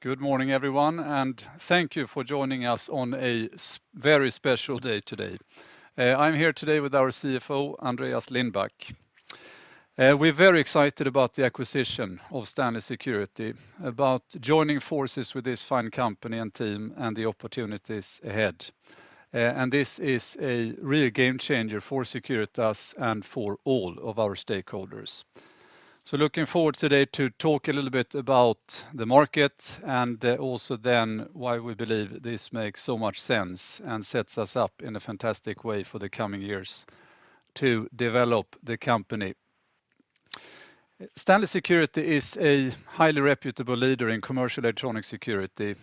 Good morning, everyone, and thank you for joining us on a very special day today. I'm here today with our CFO, Andreas Lindback. We're very excited about the acquisition of STANLEY Security, about joining forces with this fine company and team and the opportunities ahead. This is a real game changer for Securitas and for all of our stakeholders. Looking forward today to talk a little bit about the market and also then why we believe this makes so much sense and sets us up in a fantastic way for the coming years to develop the company. STANLEY Security is a highly reputable leader in commercial electronic security,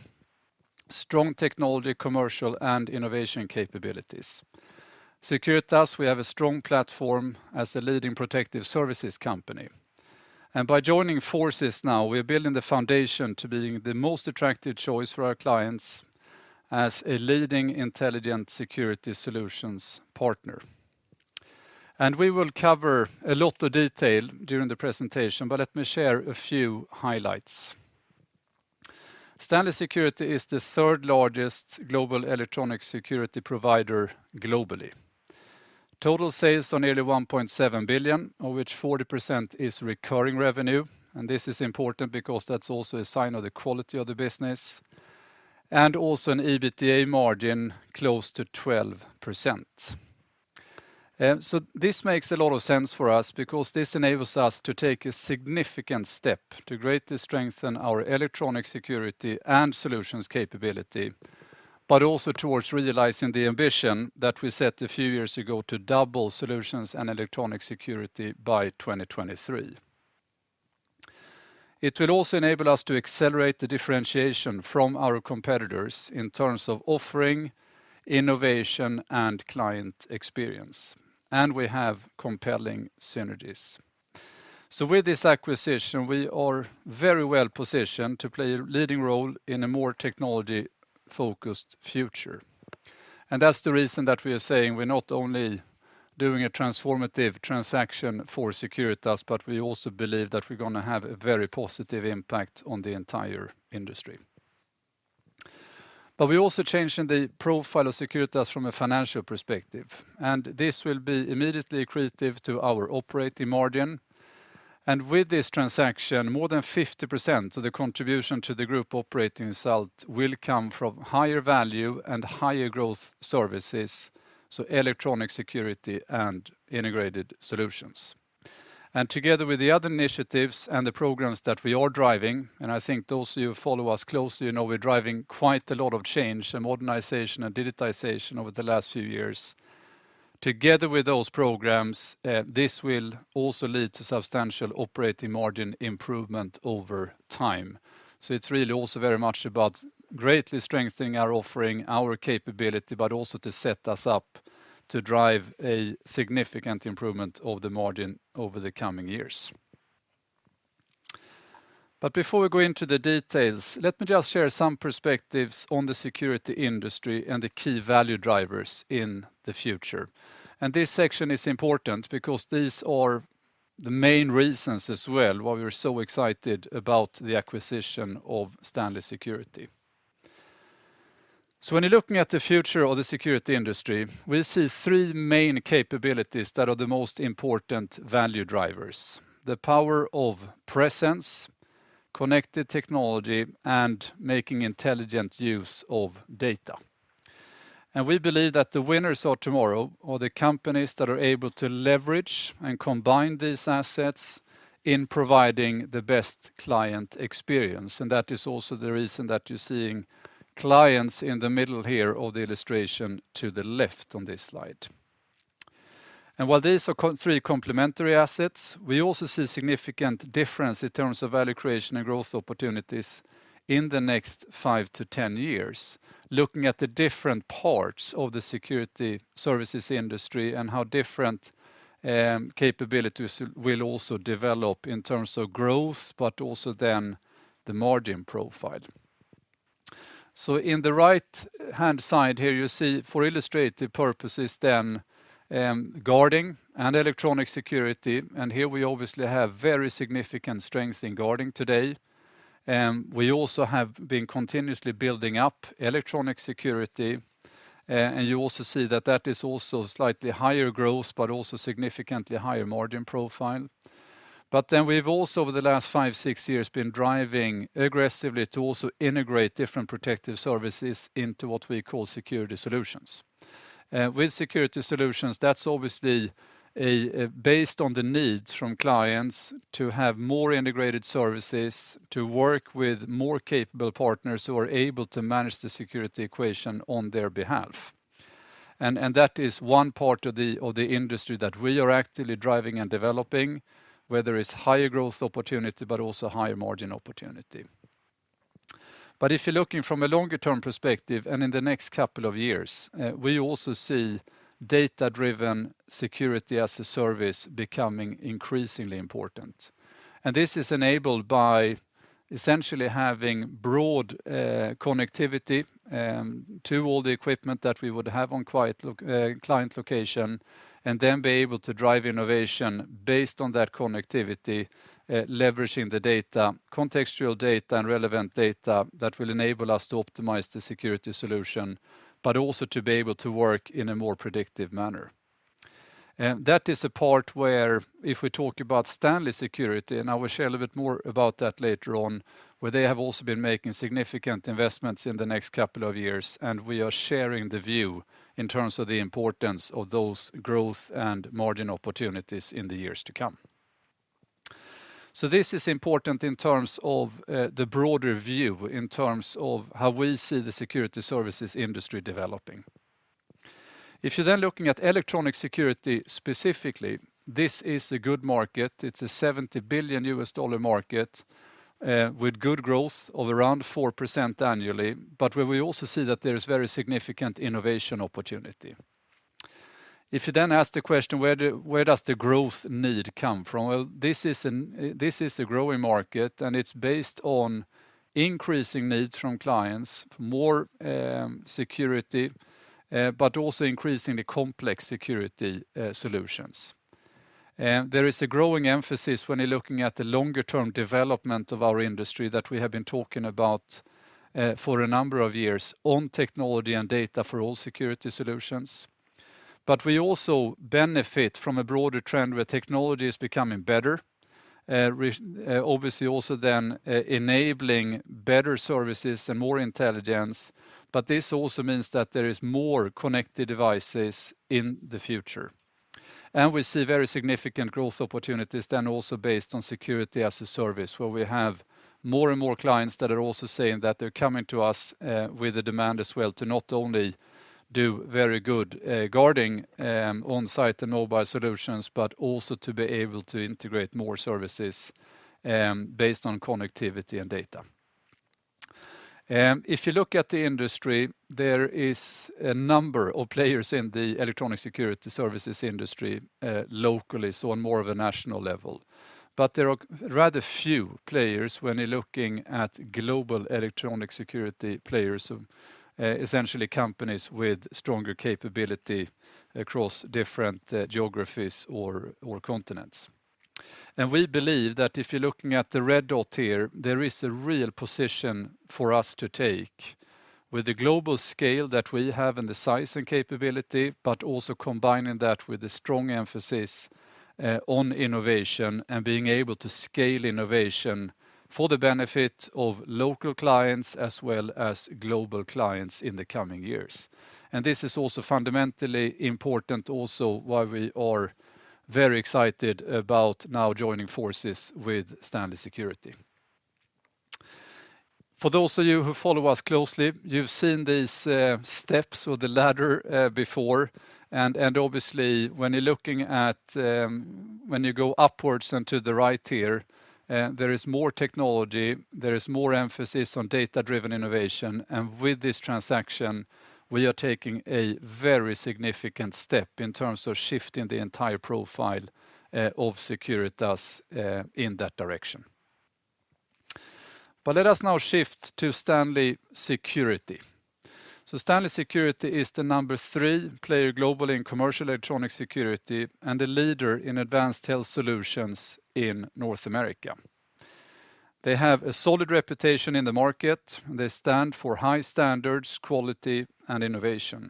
strong technology, commercial, and innovation capabilities. Securitas, we have a strong platform as a leading protective services company. By joining forces now, we're building the foundation to being the most attractive choice for our clients as a leading intelligent security solutions partner. We will cover a lot of detail during the presentation, but let me share a few highlights. STANLEY Security is the third largest global electronic security provider globally. Total sales are nearly $1.7 billion, of which 40% is recurring revenue, and this is important because that's also a sign of the quality of the business, and also an EBITDA margin close to 12%. This makes a lot of sense for us because this enables us to take a significant step to greatly strengthen our electronic security and solutions capability, but also towards realizing the ambition that we set a few years ago to double solutions and electronic security by 2023. It will also enable us to accelerate the differentiation from our competitors in terms of offering, innovation, and client experience, and we have compelling synergies. With this acquisition, we are very well positioned to play a leading role in a more technology-focused future. That's the reason that we are saying we're not only doing a transformative transaction for Securitas, but we also believe that we're gonna have a very positive impact on the entire industry. We're also changing the profile of Securitas from a financial perspective, and this will be immediately accretive to our operating margin. With this transaction, more than 50% of the contribution to the group operating result will come from higher value and higher growth services, so electronic security and integrated solutions. Together with the other initiatives and the programs that we are driving, and I think those of you who follow us closely, you know we're driving quite a lot of change and modernization and digitization over the last few years. Together with those programs, this will also lead to substantial operating margin improvement over time. It's really also very much about greatly strengthening our offering, our capability, but also to set us up to drive a significant improvement of the margin over the coming years. Before we go into the details, let me just share some perspectives on the security industry and the key value drivers in the future. This section is important because these are the main reasons as well why we're so excited about the acquisition of STANLEY Security. When you're looking at the future of the security industry, we see three main capabilities that are the most important value drivers. The power of presence, connected technology, and making intelligent use of data. We believe that the winners of tomorrow are the companies that are able to leverage and combine these assets in providing the best client experience. That is also the reason that you're seeing clients in the middle here of the illustration to the left on this slide. While these are three complementary assets, we also see significant difference in terms of value creation and growth opportunities in the next 5-10 years. Looking at the different parts of the security services industry and how different capabilities will also develop in terms of growth, but also then the margin profile. In the right hand side here, you see for illustrative purposes then, guarding and electronic security. Here we obviously have very significant strength in guarding today. We also have been continuously building up electronic security. You also see that is also slightly higher growth, but also significantly higher margin profile. We've also over the last five, six years been driving aggressively to also integrate different protective services into what we call security solutions. With security solutions, that's obviously a based on the needs from clients to have more integrated services, to work with more capable partners who are able to manage the security equation on their behalf. That is one part of the industry that we are actively driving and developing, where there is higher growth opportunity, but also higher margin opportunity. If you're looking from a longer term perspective and in the next couple of years, we also see data-driven security as a service becoming increasingly important. This is enabled by essentially having broad connectivity to all the equipment that we would have on client location, and then be able to drive innovation based on that connectivity, leveraging the data, contextual data, and relevant data that will enable us to optimize the security solution, but also to be able to work in a more predictive manner. That is a part where if we talk about STANLEY Security, and I will share a little bit more about that later on, where they have also been making significant investments in the next couple of years, and we are sharing the view in terms of the importance of those growth and margin opportunities in the years to come. This is important in terms of the broader view in terms of how we see the security services industry developing. If you're then looking at electronic security specifically, this is a good market. It's a $70 billion market with good growth of around 4% annually, but where we also see that there is very significant innovation opportunity. If you then ask the question, where does the growth need come from? Well, this is a growing market, and it's based on increasing needs from clients for more security, but also increasingly complex security solutions. There is a growing emphasis when you're looking at the longer term development of our industry that we have been talking about for a number of years on technology and data for all security solutions. We also benefit from a broader trend where technology is becoming better, obviously also then enabling better services and more intelligence, but this also means that there is more connected devices in the future. We see very significant growth opportunities based on security as a service, where we have more and more clients that are also saying that they're coming to us with the demand as well to not only do very good guarding on site and mobile solutions, but also to be able to integrate more services based on connectivity and data. If you look at the industry, there is a number of players in the electronic security services industry locally, so on more of a national level. There are rather few players when you're looking at global electronic security players, essentially companies with stronger capability across different geographies or continents. We believe that if you're looking at the red dot here, there is a real position for us to take with the global scale that we have and the size and capability, but also combining that with the strong emphasis on innovation and being able to scale innovation for the benefit of local clients as well as global clients in the coming years. This is also fundamentally important why we are very excited about now joining forces with STANLEY Security. For those of you who follow us closely, you've seen these steps or the ladder before, and obviously, when you're looking at when you go upwards and to the right here, there is more technology, there is more emphasis on data-driven innovation, and with this transaction, we are taking a very significant step in terms of shifting the entire profile of Securitas in that direction. Let us now shift to STANLEY Security. STANLEY Security is the number three player globally in commercial electronic security and a leader in advanced health solutions in North America. They have a solid reputation in the market. They stand for high standards, quality, and innovation.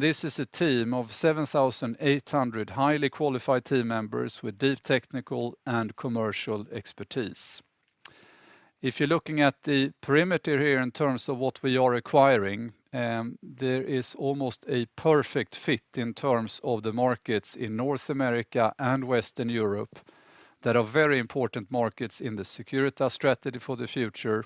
This is a team of 7,800 highly qualified team members with deep technical and commercial expertise. If you're looking at the perimeter here in terms of what we are acquiring, there is almost a perfect fit in terms of the markets in North America and Western Europe that are very important markets in the Securitas strategy for the future.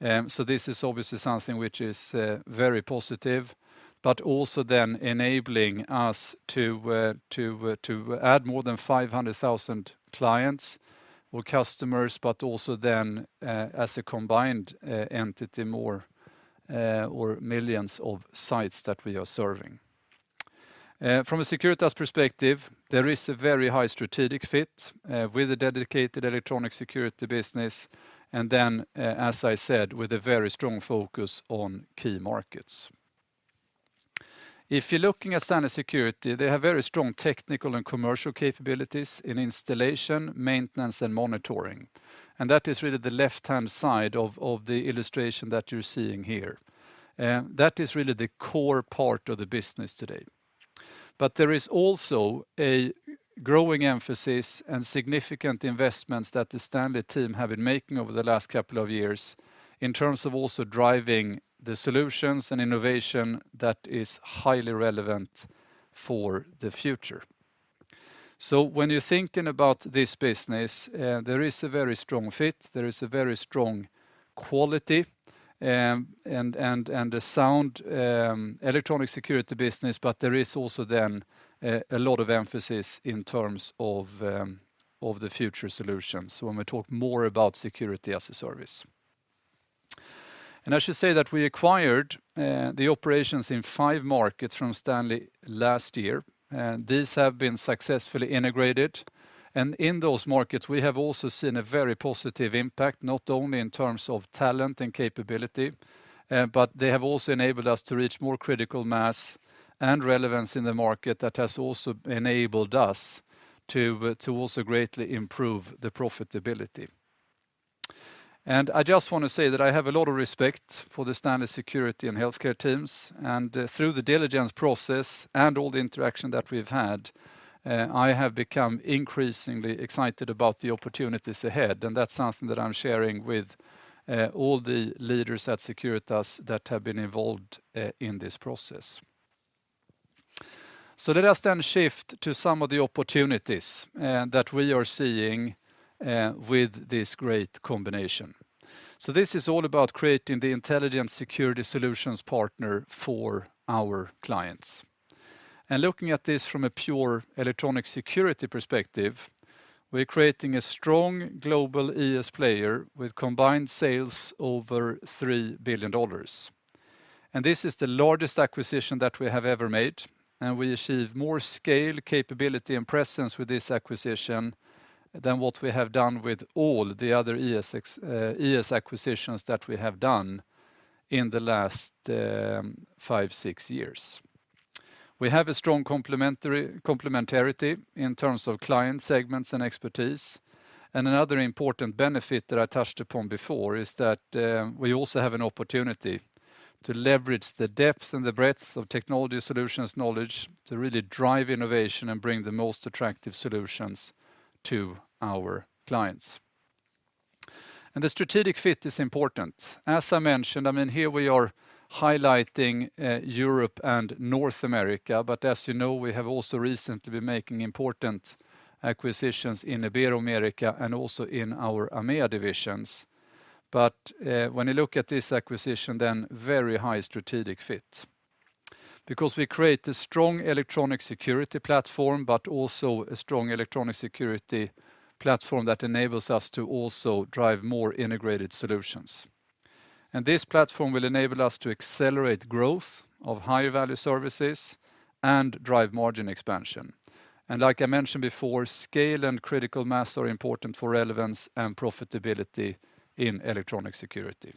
This is obviously something which is very positive, but also then enabling us to to add more than 500,000 clients or customers, but also then, as a combined entity more or millions of sites that we are serving. From a Securitas perspective, there is a very high strategic fit with a dedicated electronic security business, and then, as I said, with a very strong focus on key markets. If you're looking at STANLEY Security, they have very strong technical and commercial capabilities in installation, maintenance, and monitoring. That is really the left-hand side of the illustration that you're seeing here. That is really the core part of the business today. There is also a growing emphasis and significant investments that the STANLEY team have been making over the last couple of years in terms of also driving the solutions and innovation that is highly relevant for the future. When you're thinking about this business, there is a very strong fit, there is a very strong quality, and a sound electronic security business, but there is also a lot of emphasis in terms of the future solutions when we talk more about security as a service. I should say that we acquired the operations in five markets from STANLEY last year. These have been successfully integrated, and in those markets, we have also seen a very positive impact, not only in terms of talent and capability, but they have also enabled us to reach more critical mass and relevance in the market that has also enabled us to also greatly improve the profitability. I just want to say that I have a lot of respect for the STANLEY Security and Healthcare teams, and through the due diligence process and all the interaction that we've had, I have become increasingly excited about the opportunities ahead, and that's something that I'm sharing with all the leaders at Securitas that have been involved in this process. Let us then shift to some of the opportunities that we are seeing with this great combination. This is all about creating the intelligent security solutions partner for our clients. Looking at this from a pure electronic security perspective, we're creating a strong global ES player with combined sales over $3 billion. This is the largest acquisition that we have ever made, and we achieve more scale capability and presence with this acquisition than what we have done with all the other ES acquisitions that we have done in the last five, six years. We have a strong complementarity in terms of client segments and expertise. Another important benefit that I touched upon before is that we also have an opportunity to leverage the depth and the breadth of technology solutions knowledge to really drive innovation and bring the most attractive solutions to our clients. The strategic fit is important. As I mentioned, I mean, here we are highlighting Europe and North America, but as you know, we have also recently been making important acquisitions in Ibero-America and also in our AMEA divisions. When you look at this acquisition, then very high strategic fit. Because we create a strong electronic security platform, but also a strong electronic security platform that enables us to also drive more integrated solutions. This platform will enable us to accelerate growth of higher value services and drive margin expansion. Like I mentioned before, scale and critical mass are important for relevance and profitability in electronic security.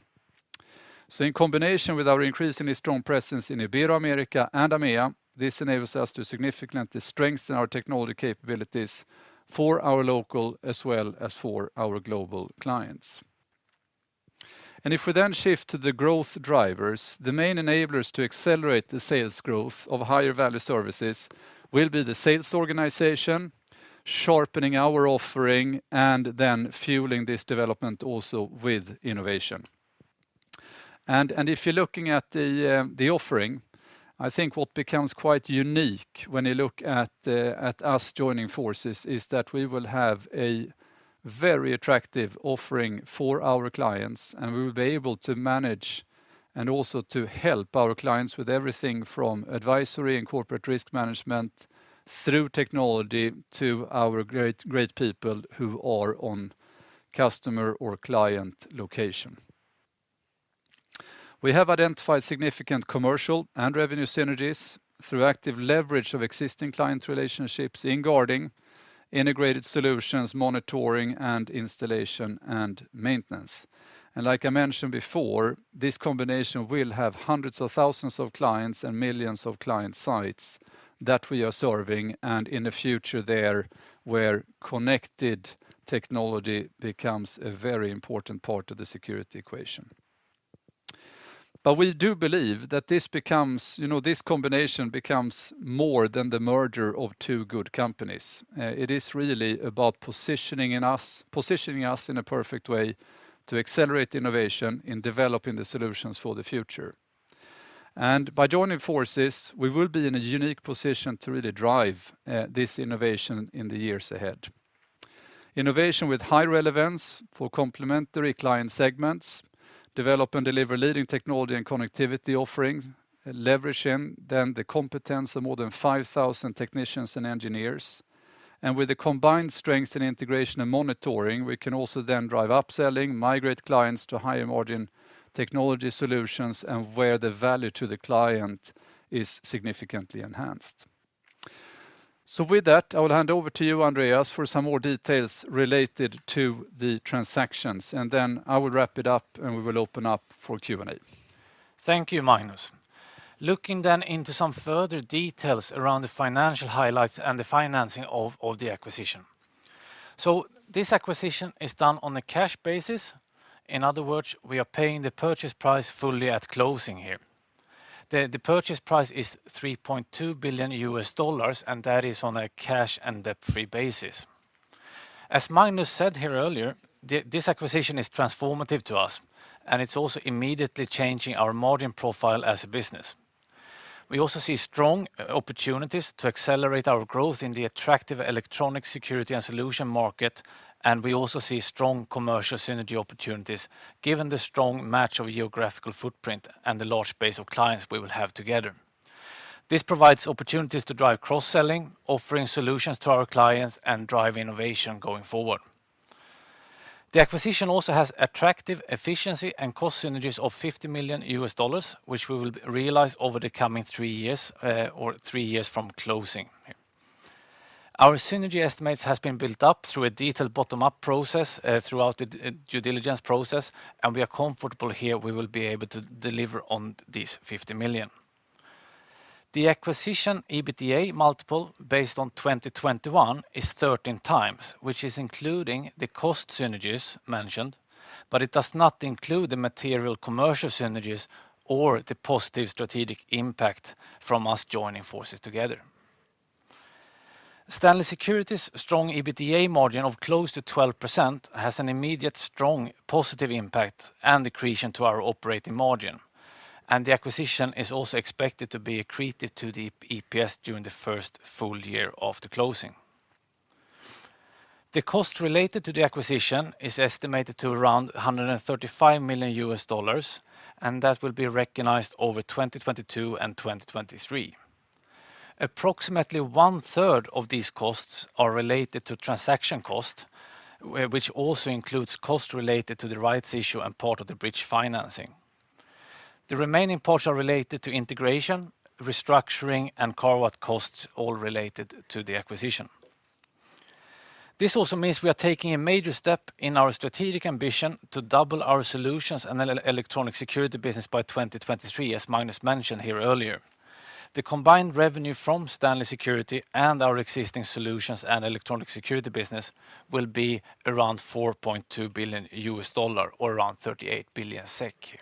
In combination with our increasingly strong presence in Ibero-America and AMEA, this enables us to significantly strengthen our technology capabilities for our local as well as for our global clients. If we then shift to the growth drivers, the main enablers to accelerate the sales growth of higher value services will be the sales organization, sharpening our offering, and then fueling this development also with innovation. If you're looking at the offering, I think what becomes quite unique when you look at us joining forces is that we will have a very attractive offering for our clients, and we will be able to manage and also to help our clients with everything from advisory and corporate risk management through technology to our great people who are on customer or client location. We have identified significant commercial and revenue synergies through active leverage of existing client relationships in guarding, integrated solutions, monitoring, and installation, and maintenance. Like I mentioned before, this combination will have hundreds of thousands of clients and millions of client sites that we are serving, and in the future there, where connected technology becomes a very important part of the security equation. We do believe that this becomes, you know, this combination becomes more than the merger of two good companies. It is really about positioning us in a perfect way to accelerate innovation in developing the solutions for the future. By joining forces, we will be in a unique position to really drive this innovation in the years ahead. Innovation with high relevance for complementary client segments, develop and deliver leading technology and connectivity offerings, leveraging then the competence of more than 5,000 technicians and engineers. With the combined strength in integration and monitoring, we can also then drive upselling, migrate clients to higher margin technology solutions, and where the value to the client is significantly enhanced. With that, I will hand over to you, Andreas, for some more details related to the transactions. Then I will wrap it up, and we will open up for Q&A. Thank you, Magnus. Looking into some further details around the financial highlights and the financing of the acquisition. This acquisition is done on a cash basis. In other words, we are paying the purchase price fully at closing here. The purchase price is $3.2 billion, and that is on a cash and debt-free basis. As Magnus said here earlier, this acquisition is transformative to us, and it's also immediately changing our margin profile as a business. We also see strong opportunities to accelerate our growth in the attractive electronic security and solution market, and we also see strong commercial synergy opportunities given the strong match of geographical footprint and the large base of clients we will have together. This provides opportunities to drive cross-selling, offering solutions to our clients, and drive innovation going forward. The acquisition also has attractive efficiency and cost synergies of $50 million, which we will realize over the coming three years, or three years from closing. Our synergy estimates has been built up through a detailed bottom-up process, throughout the due diligence process, and we are comfortable here we will be able to deliver on this $50 million. The acquisition EBITDA multiple based on 2021 is 13x, which is including the cost synergies mentioned, but it does not include the material commercial synergies or the positive strategic impact from us joining forces together. STANLEY Security's strong EBITDA margin of close to 12% has an immediate strong positive impact and accretion to our operating margin. The acquisition is also expected to be accretive to the EPS during the first full year after closing. The cost related to the acquisition is estimated to around $135 million, and that will be recognized over 2022 and 2023. Approximately one-third of these costs are related to transaction costs, which also includes costs related to the rights issue and part of the bridge financing. The remaining parts are related to integration, restructuring, and carve-out costs all related to the acquisition. This also means we are taking a major step in our strategic ambition to double our solutions and electronic security business by 2023, as Magnus mentioned here earlier. The combined revenue from STANLEY Security and our existing solutions and electronic security business will be around $4.2 billion or around 38 billion SEK.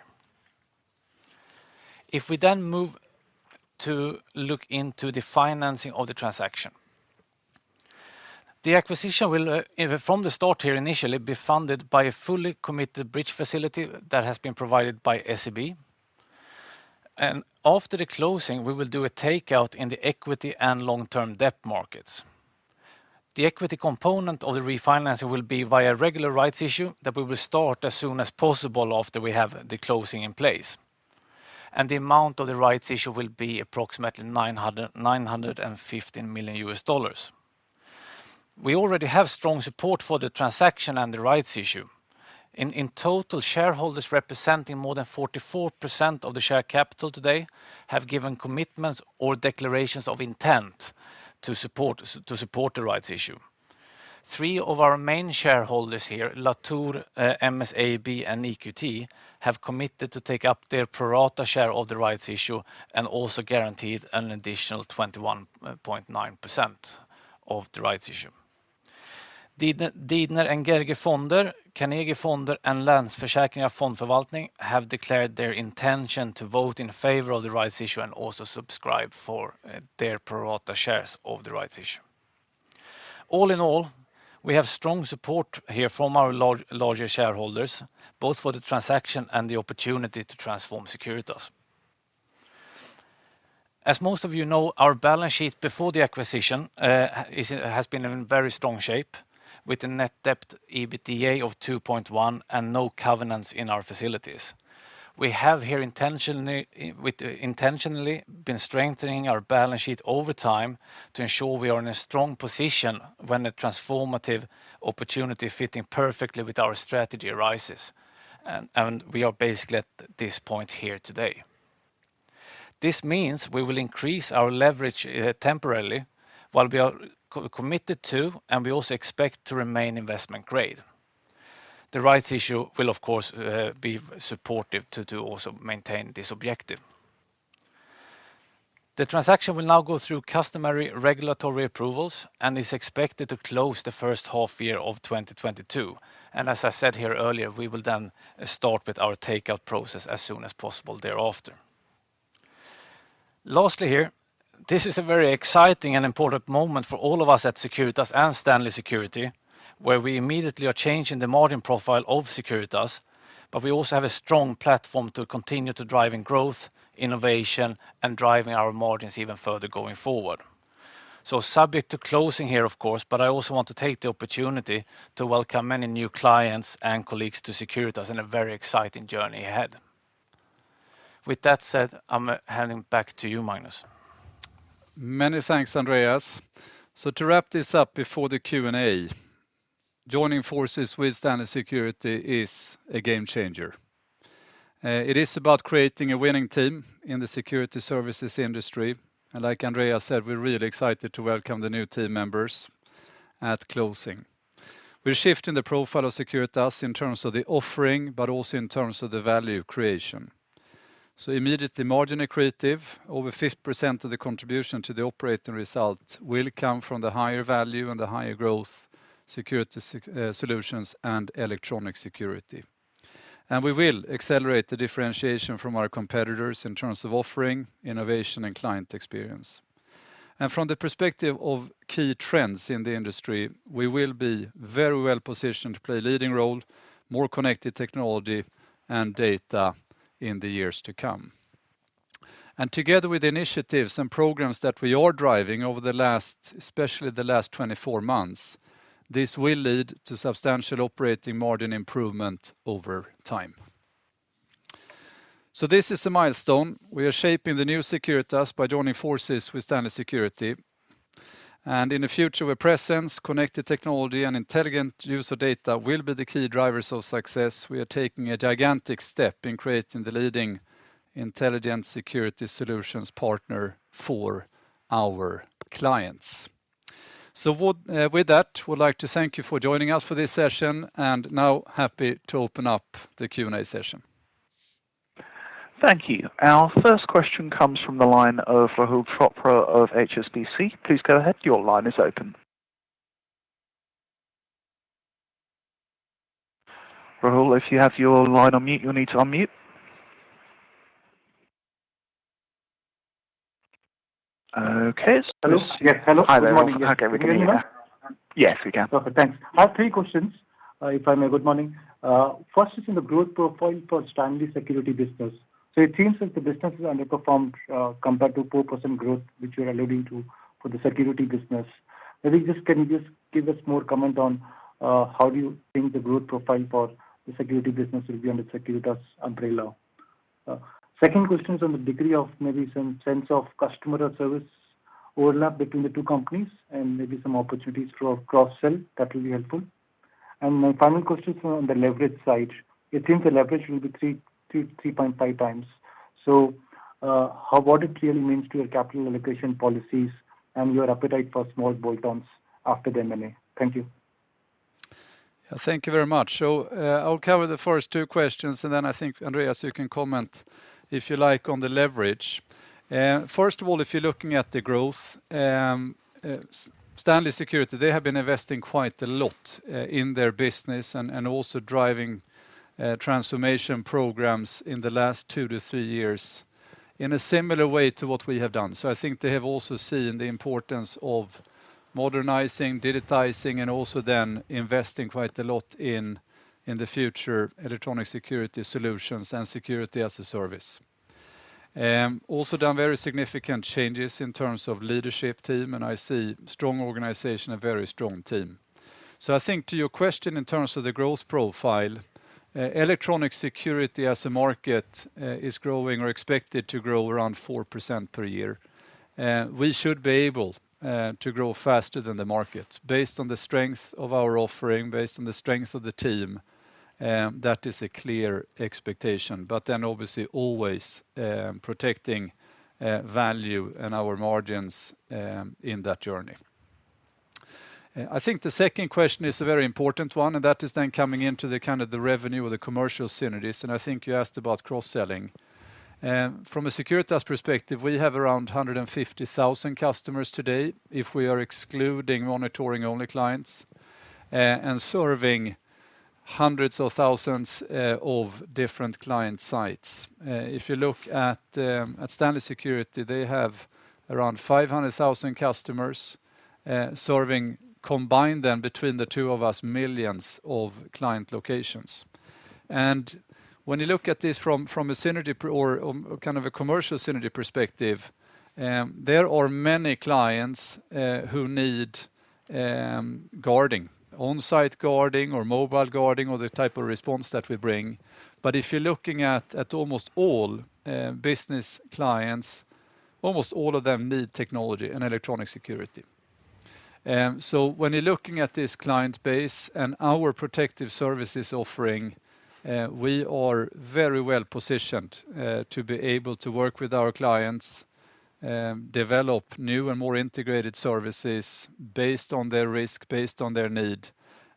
If we then move to look into the financing of the transaction. The acquisition will, from the start here initially be funded by a fully committed bridge facility that has been provided by SEB. After the closing, we will do a takeout in the equity and long-term debt markets. The equity component of the refinancing will be via regular rights issue that we will start as soon as possible after we have the closing in place. The amount of the rights issue will be approximately $915 million. We already have strong support for the transaction and the rights issue. In total, shareholders representing more than 44% of the share capital today have given commitments or declarations of intent to support the rights issue. Three of our main shareholders here, Latour, MSAB, and EQT, have committed to take up their pro rata share of the rights issue and also guaranteed an additional 21.9% of the rights issue. Didner & Gerge Fonder, Carnegie Fonder, and Länsförsäkringar Fondförvaltning have declared their intention to vote in favor of the rights issue and also subscribe for their pro rata shares of the rights issue. All in all, we have strong support here from our larger shareholders, both for the transaction and the opportunity to transform Securitas. As most of you know, our balance sheet before the acquisition has been in very strong shape with a net debt/EBITDA of 2.1 and no covenants in our facilities. We have intentionally been strengthening our balance sheet over time to ensure we are in a strong position when a transformative opportunity fitting perfectly with our strategy arises. We are basically at this point here today. This means we will increase our leverage temporarily while we are committed to, and we also expect to remain investment grade. The rights issue will of course be supportive to also maintain this objective. The transaction will now go through customary regulatory approvals and is expected to close the first half of 2022. As I said here earlier, we will then start with our takeout process as soon as possible thereafter. Lastly here, this is a very exciting and important moment for all of us at Securitas and STANLEY Security, where we immediately are changing the margin profile of Securitas, but we also have a strong platform to continue to drive in growth, innovation, and driving our margins even further going forward. Subject to closing here, of course, but I also want to take the opportunity to welcome many new clients and colleagues to Securitas in a very exciting journey ahead. With that said, I'm handing back to you, Magnus. Many thanks, Andreas. To wrap this up before the Q&A, joining forces with STANLEY Security is a game changer. It is about creating a winning team in the security services industry. Like Andreas said, we're really excited to welcome the new team members at closing. We're shifting the profile of Securitas in terms of the offering, but also in terms of the value creation. Immediately margin accretive, over 50% of the contribution to the operating result will come from the higher value and the higher growth security solutions and electronic security. We will accelerate the differentiation from our competitors in terms of offering, innovation, and client experience. From the perspective of key trends in the industry, we will be very well positioned to play a leading role, more connected technology, and data in the years to come. Together with initiatives and programs that we are driving over the last, especially the last 24 months, this will lead to substantial operating margin improvement over time. This is a milestone. We are shaping the new Securitas by joining forces with STANLEY Security. In the future, where presence, connected technology, and intelligent user data will be the key drivers of success, we are taking a gigantic step in creating the leading intelligent security solutions partner for our clients. With that, I would like to thank you for joining us for this session, and I am now happy to open up the Q&A session. Thank you. Our first question comes from the line of Rahul Chopra of HSBC. Please go ahead. Your line is open. Rahul, if you have your line on mute, you'll need to unmute. Okay. Hello? Yes. Hello. Good morning. Hi there. Okay, we can hear you. Can you hear me? Yes, we can. Okay, thanks. I have three questions, if I may. Good morning. First is in the growth profile for STANLEY Security business. It seems that the business has underperformed, compared to 4% growth, which you're alluding to for the security business. Can you just give us more comment on, how do you think the growth profile for the security business will be under Securitas umbrella? Second question is on the degree of maybe some sense of customer or service overlap between the two companies and maybe some opportunities for a cross-sell that will be helpful. My final question is on the leverage side. You think the leverage will be 3-3.5 times. How what it really means to your capital allocation policies and your appetite for small bolt-ons after the M&A? Thank you. Yeah, thank you very much. I'll cover the first two questions, and then I think, Andreas, you can comment if you like on the leverage. First of all, if you're looking at the growth, STANLEY Security, they have been investing quite a lot in their business and also driving transformation programs in the last two to three years in a similar way to what we have done. I think they have also seen the importance of modernizing, digitizing, and also then investing quite a lot in the future electronic security solutions and security as a service. They have also done very significant changes in terms of leadership team, and I see strong organization, a very strong team. I think to your question in terms of the growth profile, electronic security as a market is growing or expected to grow around 4% per year. We should be able to grow faster than the market based on the strength of our offering, based on the strength of the team, that is a clear expectation. Obviously always protecting value and our margins in that journey. I think the second question is a very important one, and that is then coming into the kind of the revenue or the commercial synergies. I think you asked about cross-selling. From a Securitas perspective, we have around 150,000 customers today, if we are excluding monitoring only clients, and serving hundreds of thousands of different client sites. If you look at STANLEY Security, they have around 500,000 customers, serving combined then between the two of us, millions of client locations. When you look at this from kind of a commercial synergy perspective, there are many clients who need guarding, on-site guarding or mobile guarding or the type of response that we bring. If you're looking at almost all business clients, almost all of them need technology and electronic security. When you're looking at this client base and our protective services offering, we are very well positioned to be able to work with our clients, develop new and more integrated services based on their risk, based on their need.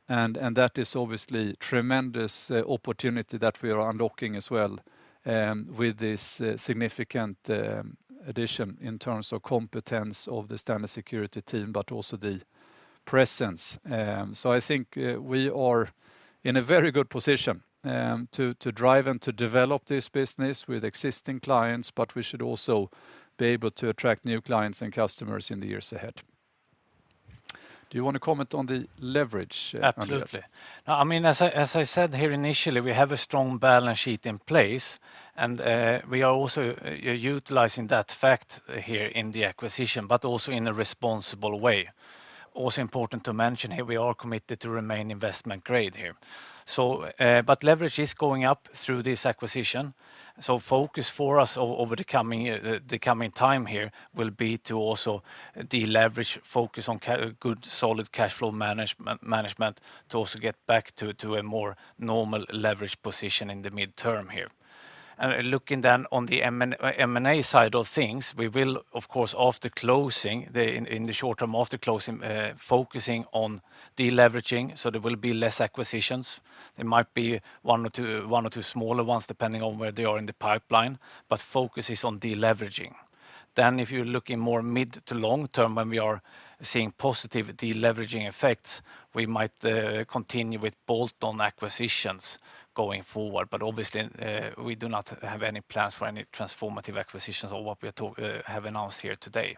That is obviously tremendous opportunity that we are unlocking as well with this significant addition in terms of competence of the STANLEY Security team, but also the presence. I think we are in a very good position to drive and to develop this business with existing clients, but we should also be able to attract new clients and customers in the years ahead. Do you want to comment on the leverage, Andreas? Absolutely. I mean, as I said here initially, we have a strong balance sheet in place, and, we are also utilizing that fact here in the acquisition, but also in a responsible way. Also important to mention here, we are committed to remain investment grade here. leverage is going up through this acquisition. focus for us over the coming year, the coming time here will be to also deleverage, focus on good solid cash flow management to also get back to a more normal leverage position in the midterm here. looking then on the M&A side of things, we will of course, after closing, in the short term after closing, focusing on deleveraging, so there will be less acquisitions. There might be one or two smaller ones depending on where they are in the pipeline, but focus is on deleveraging. If you're looking more mid to long term, when we are seeing positive deleveraging effects, we might continue with bolt-on acquisitions going forward. Obviously, we do not have any plans for any transformative acquisitions or what we have announced here today.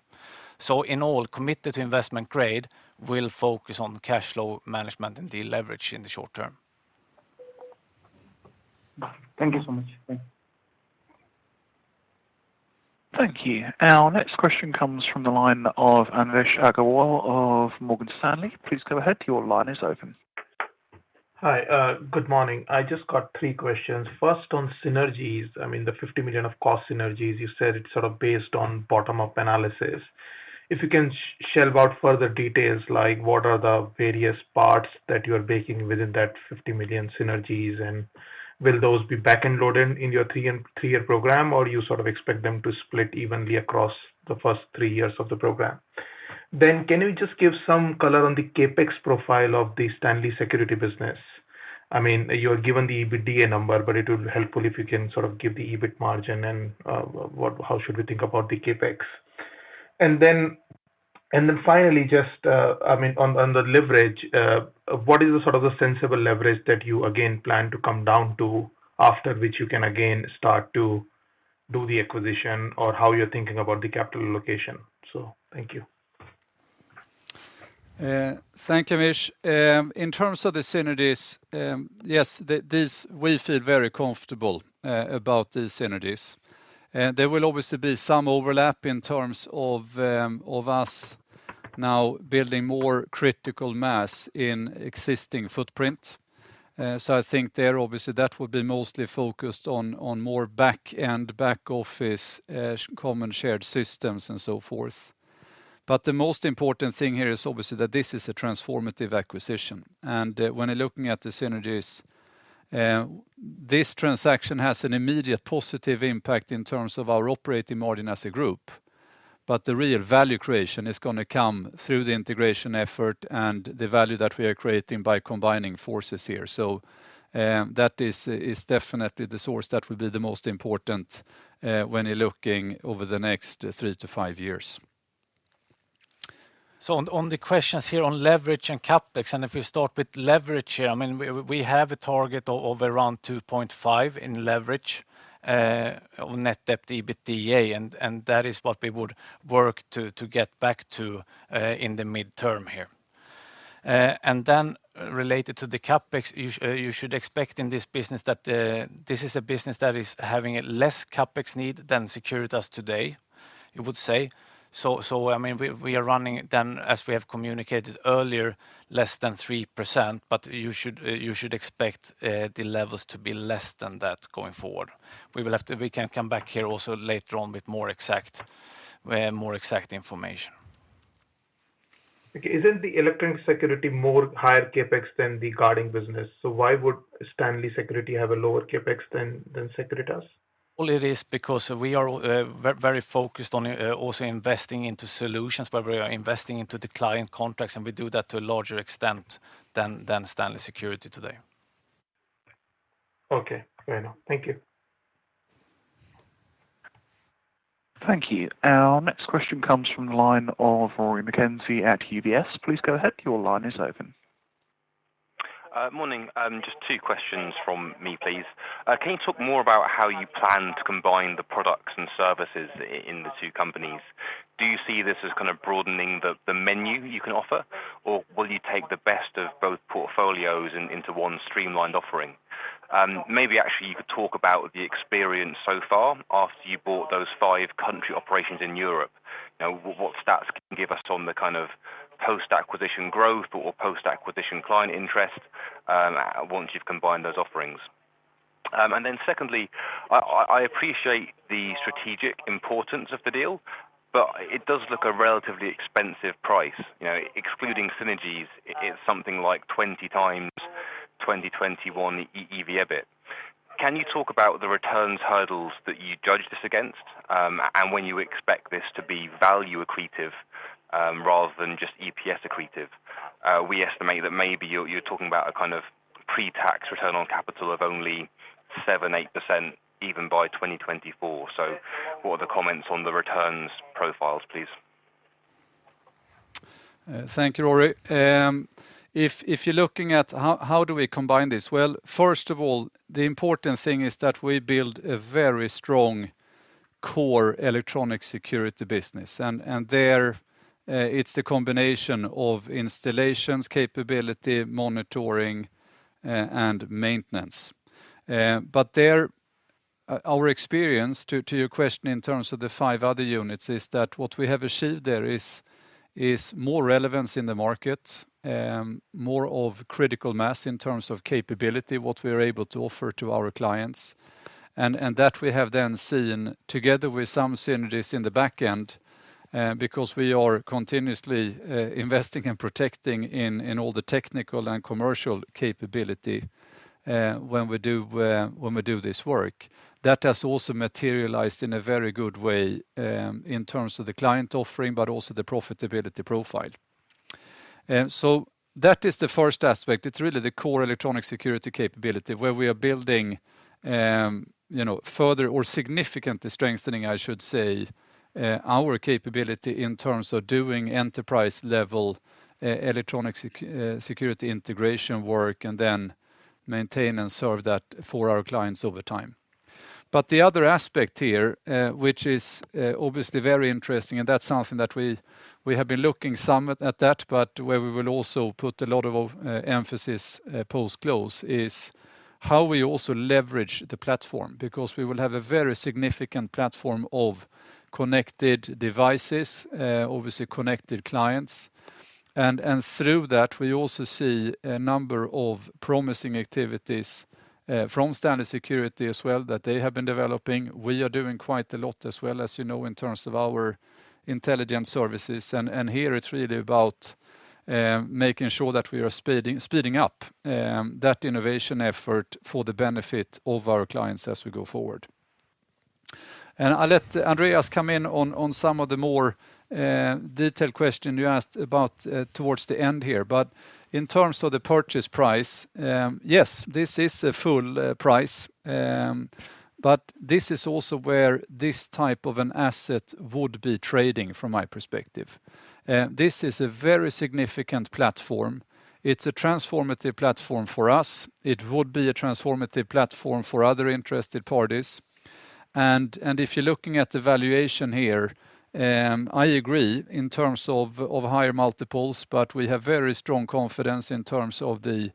In all, committed to investment grade, we'll focus on cash flow management and deleverage in the short term. Thank you so much. Thanks. Thank you. Our next question comes from the line of Anvesh Agrawal of Morgan Stanley. Please go ahead. Your line is open. Hi. Good morning. I just got three questions. First, on synergies. I mean, the 50 million of cost synergies, you said it's sort of based on bottom-up analysis. If you can shell out further details, like what are the various parts that you are making within that 50 million synergies, and will those be back-end loaded in your three-year program, or you sort of expect them to split evenly across the first three years of the program? Then can you just give some color on the CapEx profile of the STANLEY Security business? I mean, you've given the EBITDA number, but it would be helpful if you can sort of give the EBIT margin and, how should we think about the CapEx. Finally, just, I mean, on the leverage, what is the sort of sensible leverage that you again plan to come down to, after which you can again start to do the acquisition or how you're thinking about the capital allocation? Thank you. Thank you, Anvesh. In terms of the synergies, yes. We feel very comfortable about these synergies. There will obviously be some overlap in terms of of us now building more critical mass in existing footprint. I think there, obviously that would be mostly focused on more back office, common shared systems and so forth. The most important thing here is obviously that this is a transformative acquisition. When you're looking at the synergies, this transaction has an immediate positive impact in terms of our operating margin as a group. The real value creation is gonna come through the integration effort and the value that we are creating by combining forces here. That is definitely the source that will be the most important when you're looking over the next 3-5 years. On the questions here on leverage and CapEx, and if we start with leverage here, I mean, we have a target of around 2.5 in leverage on net debt to EBITDA, and that is what we would work to get back to in the mid-term here. Related to the CapEx, you should expect in this business that this is a business that is having a less CapEx need than Securitas today, I would say. I mean, we are running then, as we have communicated earlier, less than 3%, but you should expect the levels to be less than that going forward. We can come back here also later on with more exact information. Okay. Isn't the electronic security more higher CapEx than the guarding business? Why would STANLEY Security have a lower CapEx than Securitas? Well, it is because we are very focused on also investing into solutions, but we are investing into the client contracts, and we do that to a larger extent than STANLEY Security today. Okay. Fair enough. Thank you. Thank you. Our next question comes from the line of Rory McKenzie at UBS. Please go ahead. Your line is open. Morning. Just two questions from me, please. Can you talk more about how you plan to combine the products and services in the two companies? Do you see this as kind of broadening the menu you can offer, or will you take the best of both portfolios into one streamlined offering? Maybe actually you could talk about the experience so far after you bought those five country operations in Europe. Now what stats can you give us on the kind of post-acquisition growth or post-acquisition client interest, once you've combined those offerings? And then secondly, I appreciate the strategic importance of the deal, but it does look a relatively expensive price. You know, excluding synergies it is something like 20 times 2021 EBIT. Can you talk about the returns hurdles that you judge this against, and when you expect this to be value accretive, rather than just EPS accretive? We estimate that maybe you're talking about a kind of pre-tax return on capital of only 7%-8% even by 2024. What are the comments on the returns profiles, please? Thank you, Rory. If you're looking at how do we combine this? Well, first of all, the important thing is that we build a very strong core electronic security business. There, it's the combination of installations, capability, monitoring, and maintenance. There, our experience to your question in terms of the five other units is that what we have achieved there is more relevance in the market, more of critical mass in terms of capability, what we are able to offer to our clients. That we have then seen together with some synergies in the back end, because we are continuously investing and protecting in all the technical and commercial capability, when we do this work. That has also materialized in a very good way, in terms of the client offering, but also the profitability profile. That is the first aspect. It's really the core electronic security capability where we are building, you know, further or significantly strengthening, I should say, our capability in terms of doing enterprise-level electronic security integration work and then maintain and serve that for our clients over time. The other aspect here, which is obviously very interesting, and that's something that we have been looking somewhat at that, but where we will also put a lot of emphasis post-close, is how we also leverage the platform because we will have a very significant platform of connected devices, obviously connected clients. Through that, we also see a number of promising activities from STANLEY Security as well that they have been developing. We are doing quite a lot as well, as you know, in terms of our intelligent services. Here it's really about making sure that we are speeding up that innovation effort for the benefit of our clients as we go forward. I'll let Andreas come in on some of the more detailed question you asked about towards the end here. But in terms of the purchase price, yes, this is a full price. But this is also where this type of an asset would be trading from my perspective. This is a very significant platform. It's a transformative platform for us. It would be a transformative platform for other interested parties. If you're looking at the valuation here, I agree in terms of higher multiples, but we have very strong confidence in terms of the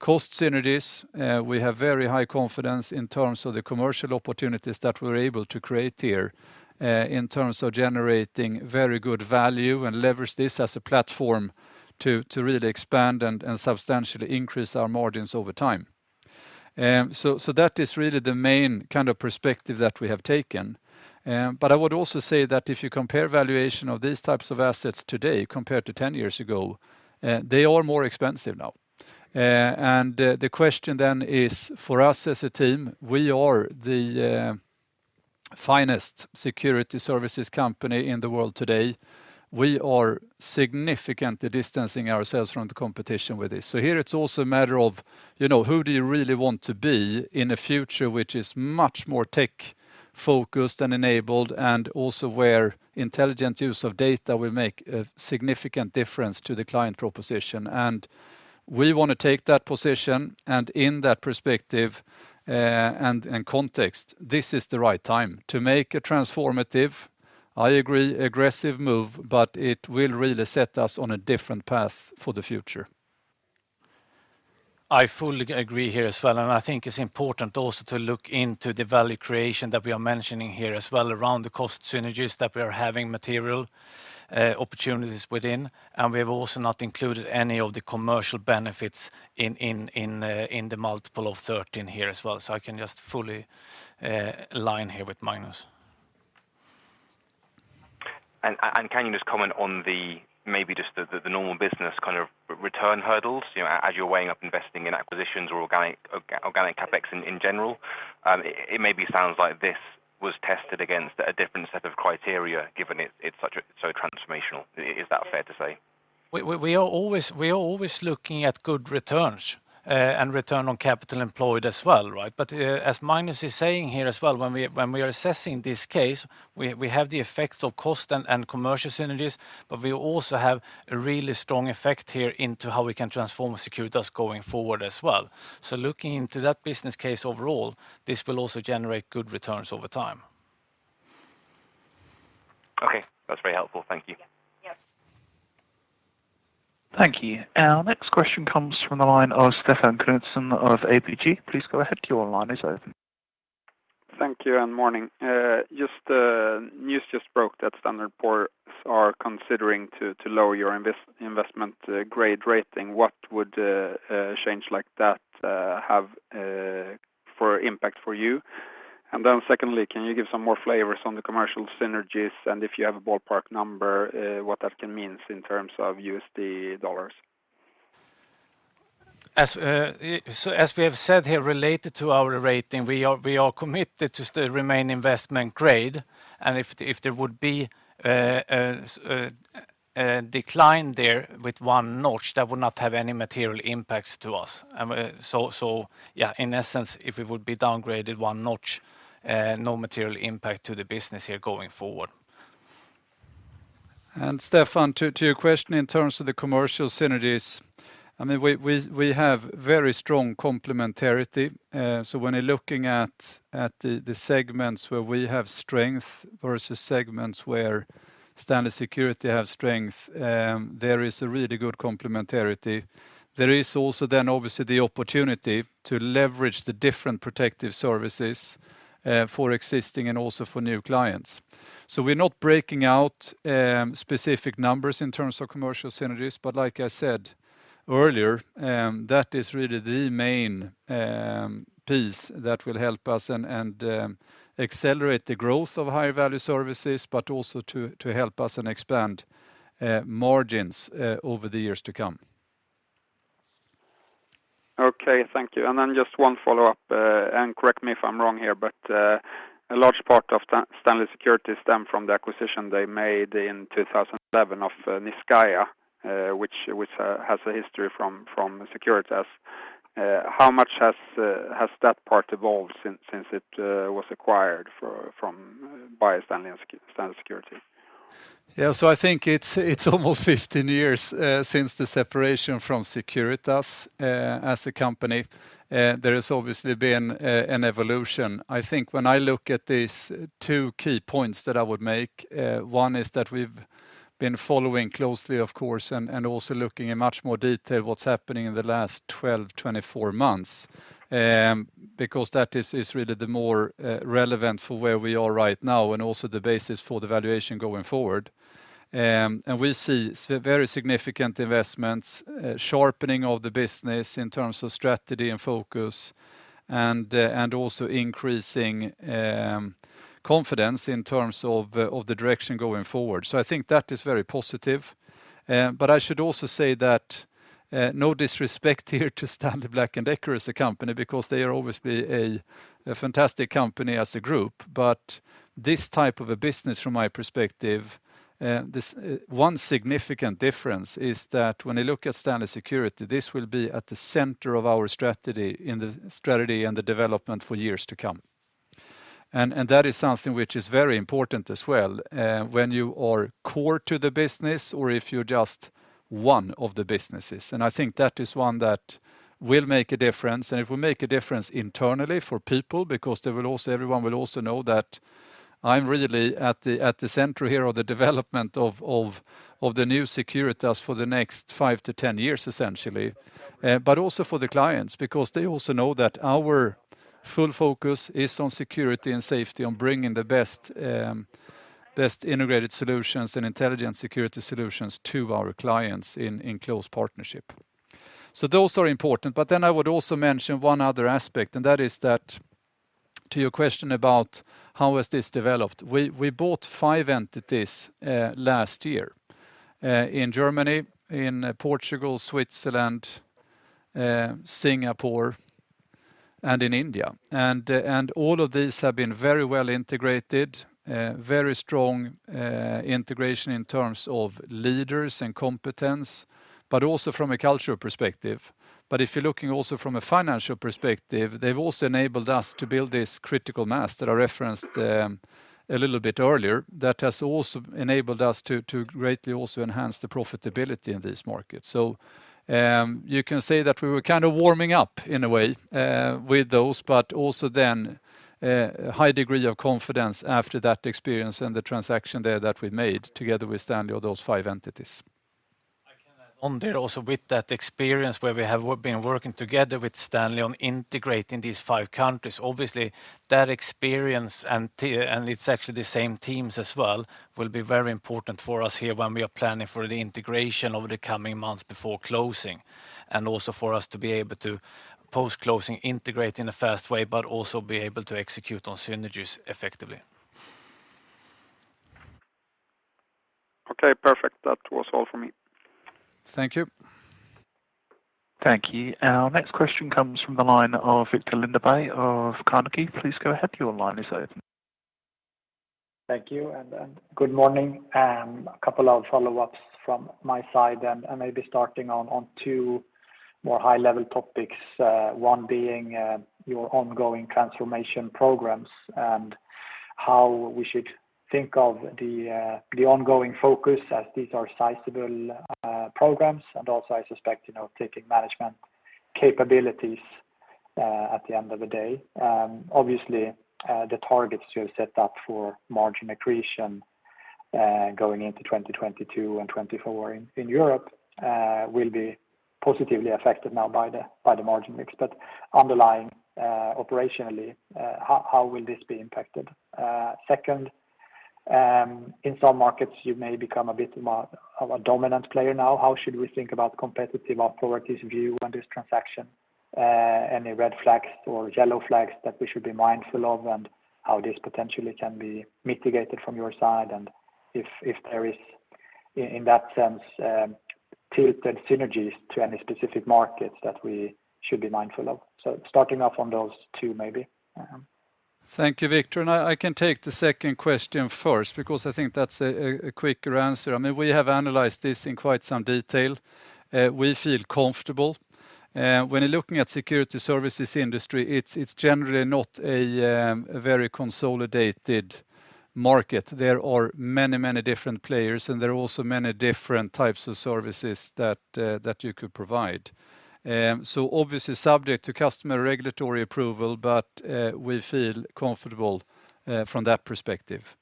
cost synergies. We have very high confidence in terms of the commercial opportunities that we're able to create here, in terms of generating very good value and leverage this as a platform to really expand and substantially increase our margins over time. That is really the main kind of perspective that we have taken. I would also say that if you compare valuation of these types of assets today compared to 10 years ago, they are more expensive now. The question then is for us as a team, we are the finest security services company in the world today. We are significantly distancing ourselves from the competition with this. Here it's also a matter of, you know, who do you really want to be in a future which is much more tech-focused and enabled, and also where intelligent use of data will make a significant difference to the client proposition. We wanna take that position, and in that perspective, and context, this is the right time to make a transformative, I agree, aggressive move, but it will really set us on a different path for the future. I fully agree here as well, and I think it's important also to look into the value creation that we are mentioning here as well around the cost synergies that we are having material opportunities within. We have also not included any of the commercial benefits in the multiple of 13 here as well. I can just fully align here with Magnus. Can you just comment on maybe just the normal business kind of return hurdles, you know, as you're weighing up investing in acquisitions or organic CapEx in general? It maybe sounds like this was tested against a different set of criteria given it's so transformational. Is that fair to say? We are always looking at good returns and return on capital employed as well, right? But as Magnus is saying here as well, when we are assessing this case, we have the effects of cost and commercial synergies, but we also have a really strong effect here into how we can transform Securitas going forward as well. Looking into that business case overall, this will also generate good returns over time. Okay. That's very helpful. Thank you. Yes. Thank you. Our next question comes from the line of Stefan Knutsson of ABG. Please go ahead. Your line is open. Thank you and morning. News just broke that Standard & Poor's are considering to lower your investment grade rating. What would a change like that have an impact on you? And then secondly, can you give some more flavors on the commercial synergies? And if you have a ballpark number, what that can mean in terms of U.S. dollars? As we have said here related to our rating, we are committed to still remain investment grade. If there would be a decline there with one notch, that would not have any material impacts to us. In essence, if it would be downgraded one notch, no material impact to the business here going forward. Stefan, to your question in terms of the commercial synergies, I mean, we have very strong complementarity. So when you're looking at the segments where we have strength versus segments where STANLEY Security have strength, there is a really good complementarity. There is also then obviously the opportunity to leverage the different protective services for existing and also for new clients. So we're not breaking out specific numbers in terms of commercial synergies, but like I said earlier, that is really the main piece that will help us and accelerate the growth of high-value services, but also to help us and expand margins over the years to come. Okay. Thank you. Just one follow-up, and correct me if I'm wrong here, but a large part of STANLEY Security stem from the acquisition they made in 2007 of Niscayah, which has a history from Securitas. How much has that part evolved since it was acquired from by Stanley and STANLEY Security? Yeah, I think it's almost 15 years since the separation from Securitas as a company. There has obviously been an evolution. I think when I look at this, two key points that I would make. One is that we've been following closely, of course, and also looking in much more detail what's happening in the last 12, 24 months, because that is really the more relevant for where we are right now and also the basis for the valuation going forward. We see very significant investments, sharpening of the business in terms of strategy and focus and also increasing confidence in terms of the direction going forward. I think that is very positive. I should also say that, no disrespect here to Stanley Black & Decker as a company because they are obviously a fantastic company as a group. This type of a business from my perspective, one significant difference is that when you look at STANLEY Security, this will be at the center of our strategy and the development for years to come. That is something which is very important as well, when you are core to the business or if you're just one of the businesses. I think that is one that will make a difference. It will make a difference internally for people because everyone will also know that I'm really at the center here of the development of the new Securitas for the next 5-10 years, essentially. It will also make a difference for the clients, because they also know that our full focus is on security and safety, on bringing the best integrated solutions and intelligent security solutions to our clients in close partnership. Those are important. I would also mention one other aspect, and that is that to your question about how has this developed, we bought five entities last year in Germany, in Portugal, Switzerland, Singapore, and in India. All of these have been very well integrated, very strong integration in terms of leaders and competence, but also from a cultural perspective. If you're looking also from a financial perspective, they've also enabled us to build this critical mass that I referenced a little bit earlier that has also enabled us to greatly also enhance the profitability in this market. You can say that we were kind of warming up in a way with those, but also then high degree of confidence after that experience and the transaction there that we made together with Stanley of those five entities. I can add on there also with that experience where we have been working together with Stanley on integrating these five countries. Obviously, that experience and it's actually the same teams as well, will be very important for us here when we are planning for the integration over the coming months before closing, and also for us to be able to, post-closing, integrate in a fast way, but also be able to execute on synergies effectively. Okay, perfect. That was all for me. Thank you. Thank you. Our next question comes from the line of Viktor Lindeberg of Carnegie. Please go ahead. Your line is open. Thank you, and good morning. A couple of follow-ups from my side and maybe starting on two more high-level topics, one being your ongoing transformation programs and how we should think of the ongoing focus as these are sizable programs, and also, I suspect, you know, taking management capabilities at the end of the day. Obviously, the targets you have set up for margin accretion going into 2022 and 2024 in Europe will be positively affected now by the margin mix. Underlying, operationally, how will this be impacted? Second, in some markets, you may become a bit more of a dominant player now. How should we think about competitive authorities' view on this transaction? Any red flags or yellow flags that we should be mindful of, and how this potentially can be mitigated from your side, and if there is in that sense, tilt and synergies to any specific markets that we should be mindful of? Starting off on those two, maybe. Thank you, Viktor. I can take the second question first because I think that's a quicker answer. I mean, we have analyzed this in quite some detail. We feel comfortable. When you're looking at security services industry, it's generally not a very consolidated market. There are many different players, and there are also many different types of services that you could provide. So obviously subject to customer regulatory approval, but we feel comfortable from that perspective.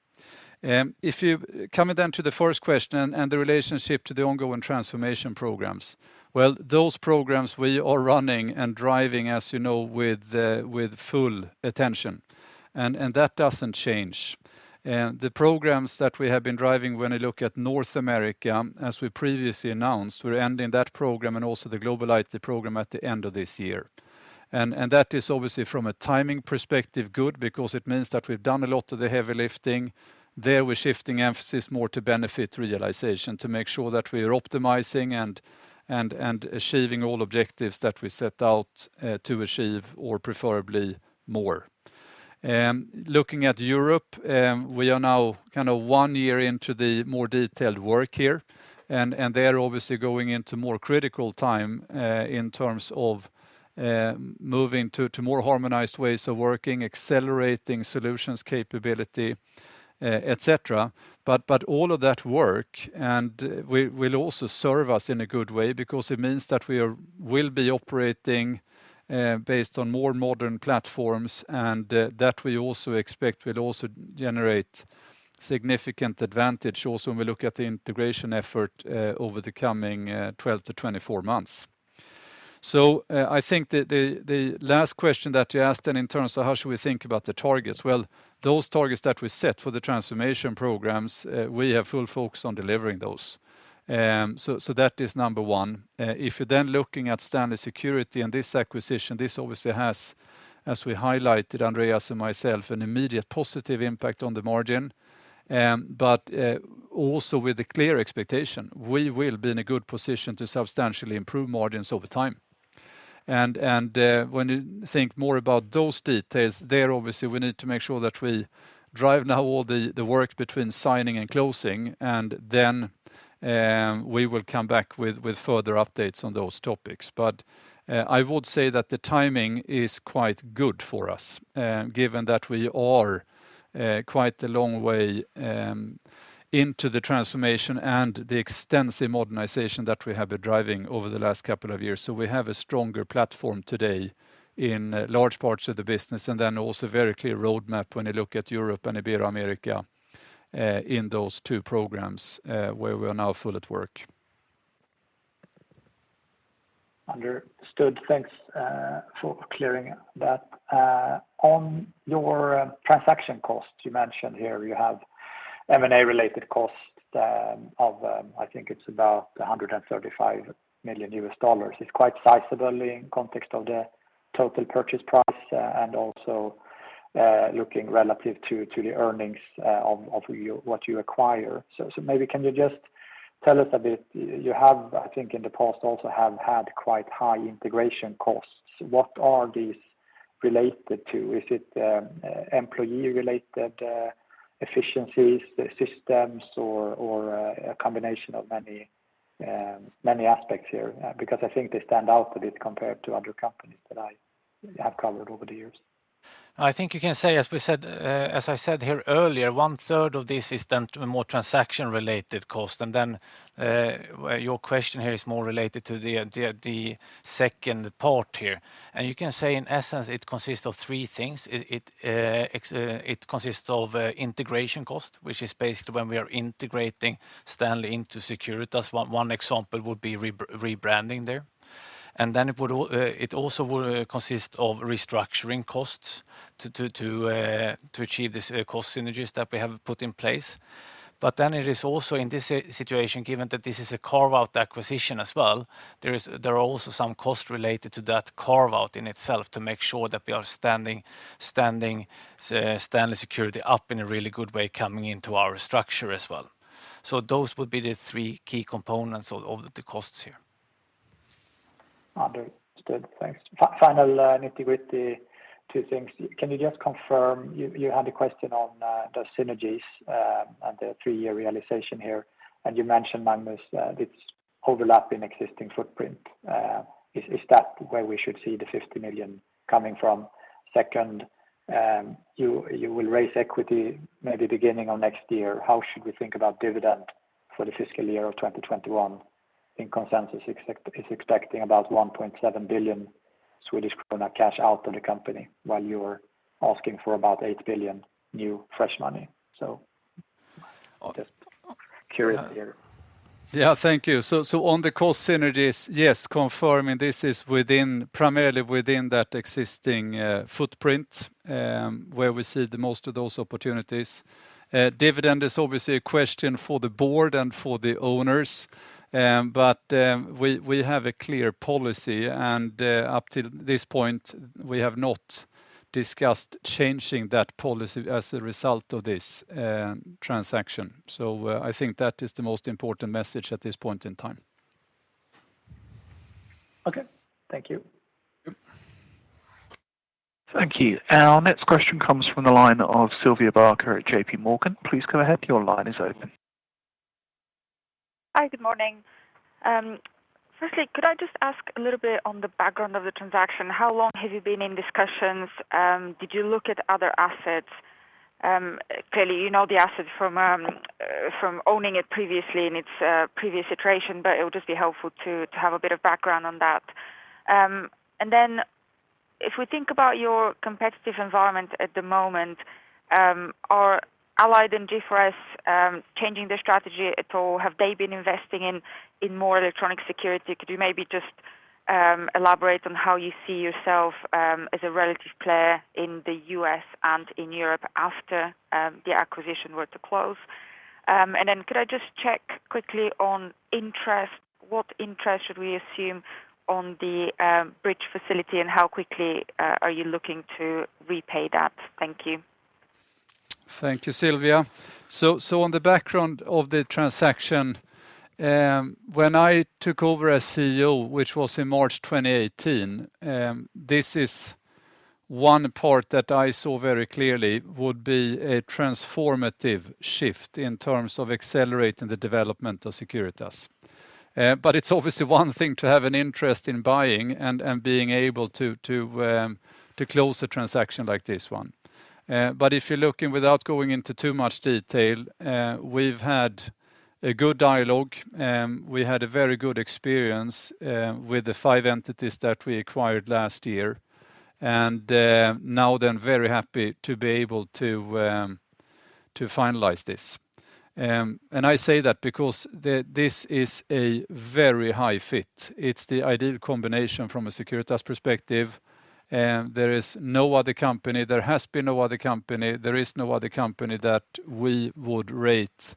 Coming down to the first question and the relationship to the ongoing transformation programs. Those programs we are running and driving, as you know, with full attention, and that doesn't change. The programs that we have been driving when you look at North America, as we previously announced, we're ending that program and also the global IT program at the end of this year. That is obviously from a timing perspective good because it means that we've done a lot of the heavy lifting. There, we're shifting emphasis more to benefit realization to make sure that we are optimizing and achieving all objectives that we set out to achieve or preferably more. Looking at Europe, we are now kind of one year into the more detailed work here, and they are obviously going into more critical time in terms of moving to more harmonized ways of working, accelerating solutions capability, et cetera. All of that work and we will also serve us in a good way because it means that we are we will be operating based on more modern platforms, and that we also expect will also generate significant advantage also when we look at the integration effort over the coming 12-24 months. I think the last question that you asked then in terms of how should we think about the targets. Well, those targets that we set for the transformation programs we have full focus on delivering those. So that is number one. If you are then looking at STANLEY Security and this acquisition, this obviously has, as we highlighted, Andreas and myself, an immediate positive impact on the margin. Also with the clear expectation, we will be in a good position to substantially improve margins over time. When you think more about those details, we obviously need to make sure that we drive now all the work between signing and closing, and then we will come back with further updates on those topics. I would say that the timing is quite good for us, given that we are quite a long way into the transformation and the extensive modernization that we have been driving over the last couple of years. We have a stronger platform today in large parts of the business, and then also very clear roadmap when you look at Europe and Ibero-America in those two programs where we are now fully at work. Understood. Thanks for clearing that. On your transaction costs, you mentioned here you have M&A related costs of, I think it's about $135 million. It's quite sizable in context of the total purchase price and also looking relative to the earnings of what you acquire. Maybe can you just tell us a bit, you have, I think, in the past also have had quite high integration costs. What are these related to? Is it employee related efficiencies systems or a combination of many aspects here? Because I think they stand out a bit compared to other companies that I have covered over the years. I think you can say, as I said here earlier, one-third of this is then more transaction related cost. Your question here is more related to the second part here. You can say, in essence, it consists of three things. It consists of integration cost, which is basically when we are integrating Stanley into Securitas. One example would be rebranding there. Then it would also consist of restructuring costs to achieve this cost synergies that we have put in place. It is also in this situation, given that this is a carve-out acquisition as well, there are also some costs related to that carve-out in itself to make sure that we are standing STANLEY Security up in a really good way coming into our structure as well. Those would be the three key components of the costs here. Understood. Thanks. Finally, nitty-gritty two things. Can you just confirm, you had a question on the synergies and the three-year realization here, and you mentioned Magnus, it's overlapping existing footprint. Is that where we should see the 50 million coming from? Second, you will raise equity maybe beginning of next year. How should we think about dividend for the fiscal year 2021? I think consensus is expecting about 1.7 billion Swedish krona cash out of the company while you are asking for about 8 billion new fresh money. Just curious here. Yeah. Thank you. On the cost synergies, yes, confirming this is primarily within that existing footprint, where we see the most of those opportunities. Dividend is obviously a question for the board and for the owners, but we have a clear policy, and up to this point, we have not discussed changing that policy as a result of this transaction. I think that is the most important message at this point in time. Okay. Thank you. Yep. Thank you. Our next question comes from the line of Sylvia Barker at J.P. Morgan. Please go ahead. Your line is open. Hi. Good morning. Firstly, could I just ask a little bit on the background of the transaction, how long have you been in discussions? Did you look at other assets? Clearly, you know the assets from owning it previously in its previous iteration, but it would just be helpful to have a bit of background on that. Then if we think about your competitive environment at the moment, are Allied and G4S changing their strategy at all? Have they been investing in more electronic security? Could you maybe just elaborate on how you see yourself as a relative player in the U.S. and in Europe after the acquisition were to close? Then could I just check quickly on interest? What interest should we assume on the bridge facility, and how quickly are you looking to repay that? Thank you. Thank you, Sylvia. On the background of the transaction, when I took over as CEO, which was in March 2018, this is one part that I saw very clearly would be a transformative shift in terms of accelerating the development of Securitas. It's obviously one thing to have an interest in buying and being able to close a transaction like this one. If you're looking without going into too much detail, we've had a good dialogue. We had a very good experience with the five entities that we acquired last year. Now then very happy to be able to finalize this. I say that because this is a very high fit. It's the ideal combination from a Securitas perspective. There is no other company, there has been no other company, there is no other company that we would rate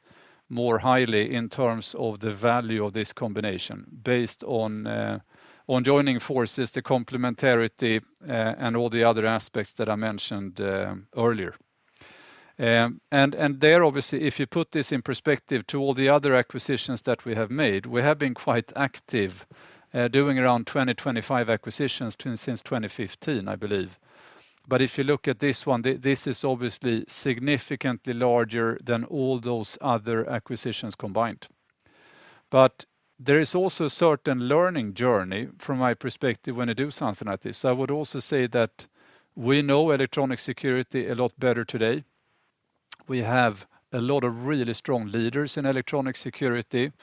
more highly in terms of the value of this combination based on joining forces, the complementarity, and all the other aspects that I mentioned, earlier. There obviously, if you put this in perspective to all the other acquisitions that we have made, we have been quite active, doing around 20-25 acquisitions since 2015, I believe. If you look at this one, this is obviously significantly larger than all those other acquisitions combined. There is also a certain learning journey from my perspective when you do something like this. I would also say that we know electronic security a lot better today. We have a lot of really strong leaders in electronic security,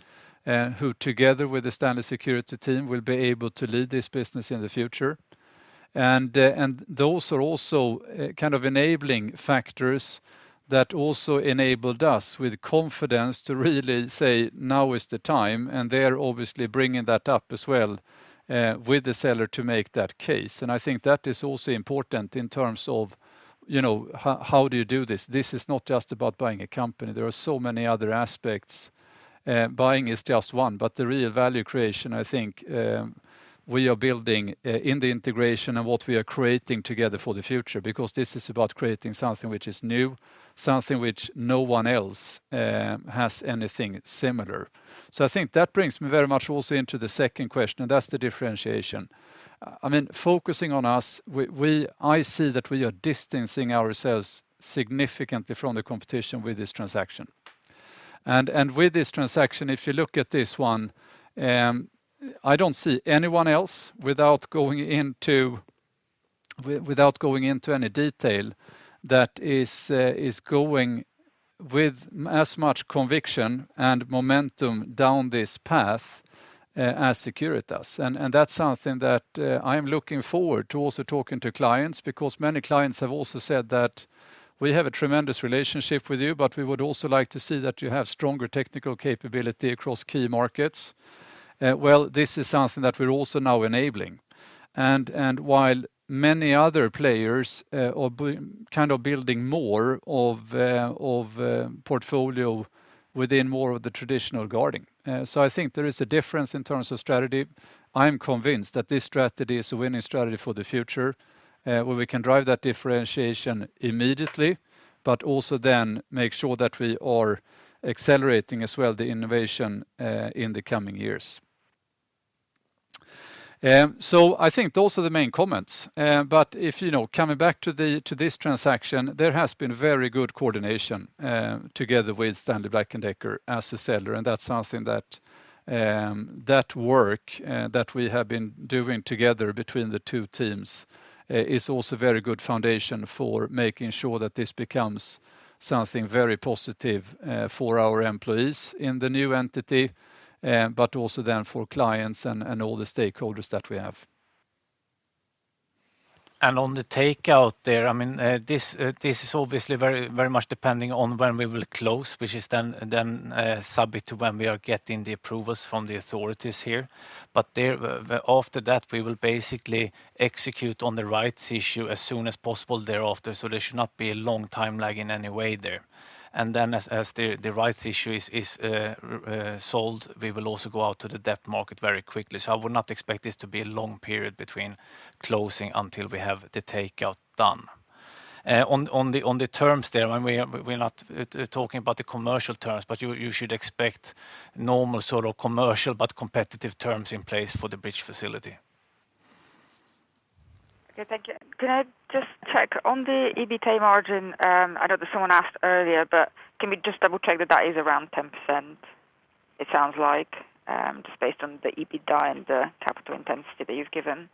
who together with the STANLEY Security team will be able to lead this business in the future. Those are also kind of enabling factors that also enabled us with confidence to really say, "Now is the time." They're obviously bringing that up as well with the seller to make that case. I think that is also important in terms of, you know, how do you do this? This is not just about buying a company. There are so many other aspects. Buying is just one. The real value creation, I think, we are building in the integration and what we are creating together for the future, because this is about creating something which is new, something which no one else has anything similar. I think that brings me very much also into the second question, and that's the differentiation. I mean, focusing on us, I see that we are distancing ourselves significantly from the competition with this transaction. With this transaction, if you look at this one, I don't see anyone else without going into any detail going with as much conviction and momentum down this path as Securitas. That's something that I'm looking forward to also talking to clients, because many clients have also said that, "We have a tremendous relationship with you, but we would also like to see that you have stronger technical capability across key markets." Well, this is something that we're also now enabling. While many other players are kind of building more of a portfolio within more of the traditional guarding. I think there is a difference in terms of strategy. I'm convinced that this strategy is a winning strategy for the future, where we can drive that differentiation immediately, but also then make sure that we are accelerating as well the innovation in the coming years. I think those are the main comments. If, you know, coming back to this transaction, there has been very good coordination together with Stanley Black & Decker as a seller. That's something that work that we have been doing together between the two teams is also very good foundation for making sure that this becomes something very positive for our employees in the new entity, but also then for clients and all the stakeholders that we have. On the takeout there, I mean, this is obviously very, very much depending on when we will close, which is then subject to when we are getting the approvals from the authorities here. There, after that, we will basically execute on the rights issue as soon as possible thereafter. There should not be a long time lag in any way there. Then as the rights issue is sold, we will also go out to the debt market very quickly. I would not expect this to be a long period between closing until we have the takeout done. On the terms there, I mean, we're not talking about the commercial terms, but you should expect normal sort of commercial but competitive terms in place for the bridge facility. Okay, thank you. Can I just check on the EBITA margin? I know that someone asked earlier, but can we just double check that that is around 10%, it sounds like, just based on the EBITDA and the capital intensity that you've given?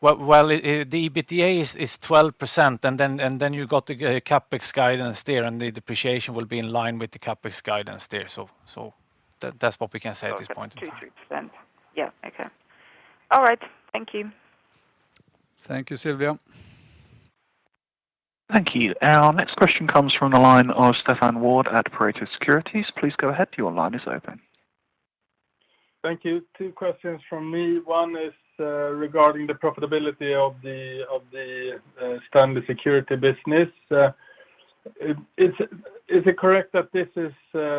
Well, the EBITDA is 12%, and then you've got the CapEx guidance there, and the depreciation will be in line with the CapEx guidance there. That's what we can say at this point in time. It's 2%-3%. Yeah. Okay. All right. Thank you. Thank you, Sylvia. Thank you. Our next question comes from the line of Stefan Wård at Pareto Securities. Please go ahead. Your line is open. Thank you. Two questions from me. One is regarding the profitability of the STANLEY Security business. Is it correct that this is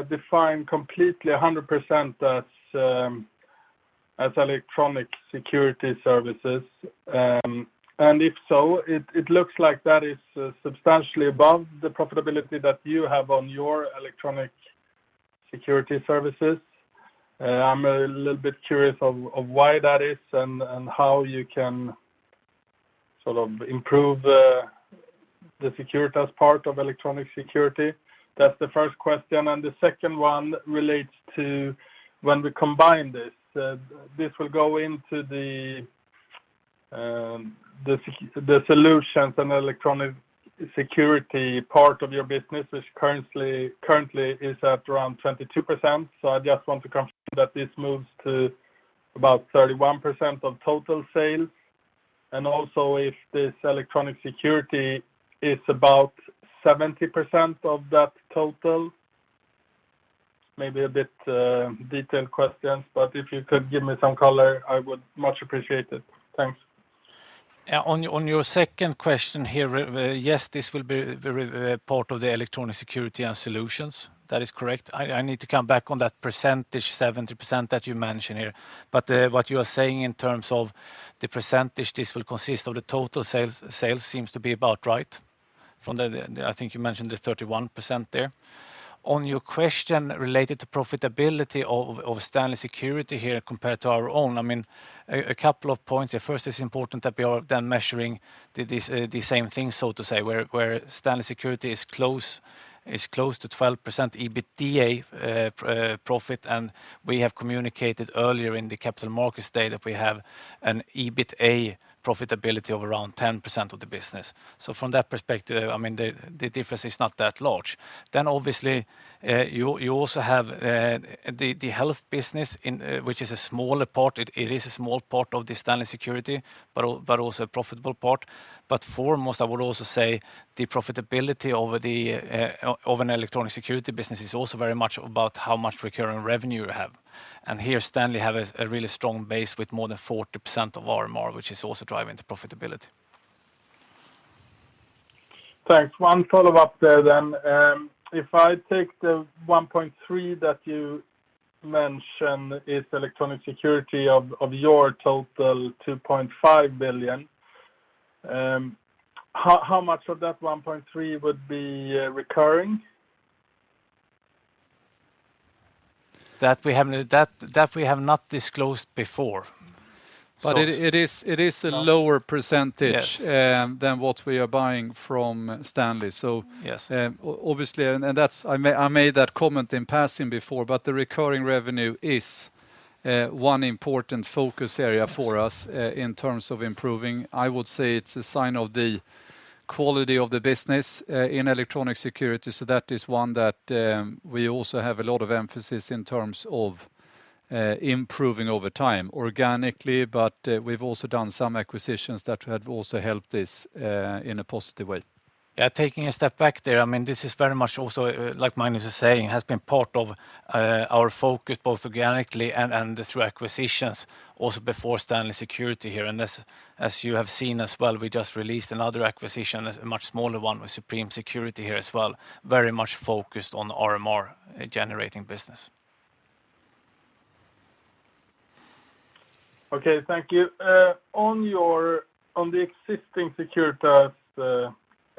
defined completely 100% as electronic security services? And if so, it looks like that is substantially above the profitability that you have on your electronic security services. I'm a little bit curious of why that is and how you can sort of improve the Securitas part of electronic security. That's the first question, and the second one relates to when we combine this. This will go into the solutions and electronic security part of your business, which currently is at around 22%. I just want to confirm that this moves to about 31% of total sales, and also if this electronic security is about 70% of that total? Maybe a bit, detailed questions, but if you could give me some color, I would much appreciate it. Thanks. Yeah, on your second question here, yes, this will be the part of the electronic security and solutions. That is correct. I need to come back on that percentage, 70% that you mention here. What you are saying in terms of the percentage this will consist of the total sales seems to be about right from the. I think you mentioned the 31% there. On your question related to profitability of STANLEY Security here compared to our own, I mean, a couple of points. At first, it's important that we are then measuring the same things, so to say, where Stanley Security is close to 12% EBITDA profit, and we have communicated earlier in the Capital Markets Day that we have an EBITA profitability of around 10% of the business. From that perspective, I mean, the difference is not that large. Obviously, you also have the health business in which is a smaller part. It is a small part of the Stanley Security, but also a profitable part. Foremost, I would also say the profitability of an electronic security business is also very much about how much recurring revenue you have. Here, STANLEY have a really strong base with more than 40% of RMR, which is also driving the profitability. Thanks. One follow-up there then. If I take the 1.3 that you mention is electronic security of your total 2.5 billion, how much of that 1.3 would be recurring? That we have not disclosed before. It is a lower percentage. Yes than what we are buying from Stanley, so- Yes Obviously, and that's. I made that comment in passing before. The recurring revenue is one important focus area for us in terms of improving. I would say it's a sign of the quality of the business in electronic security. That is one that we also have a lot of emphasis in terms of improving over time organically. We've also done some acquisitions that have also helped this in a positive way. Yeah, taking a step back there, I mean, this is very much also, like Magnus is saying, has been part of our focus both organically and through acquisitions, also before Stanley Security here. As you have seen as well, we just released another acquisition, a much smaller one with Supreme Security here as well, very much focused on RMR generating business. Okay, thank you. On the existing Securitas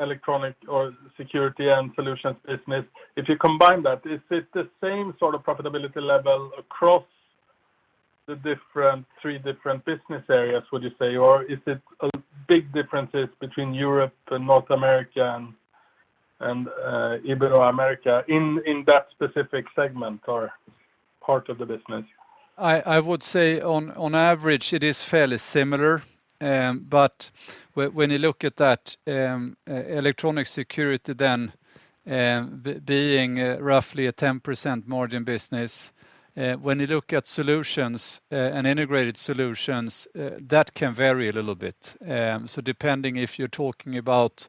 electronic security and solutions business, if you combine that, is it the same sort of profitability level across the three different business areas, would you say? Or is it a big differences between Europe and North America and Ibero-America in that specific segment or part of the business? I would say on average, it is fairly similar. When you look at that, electronic security then, being a roughly 10% margin business, when you look at solutions, and integrated solutions, that can vary a little bit. Depending if you're talking about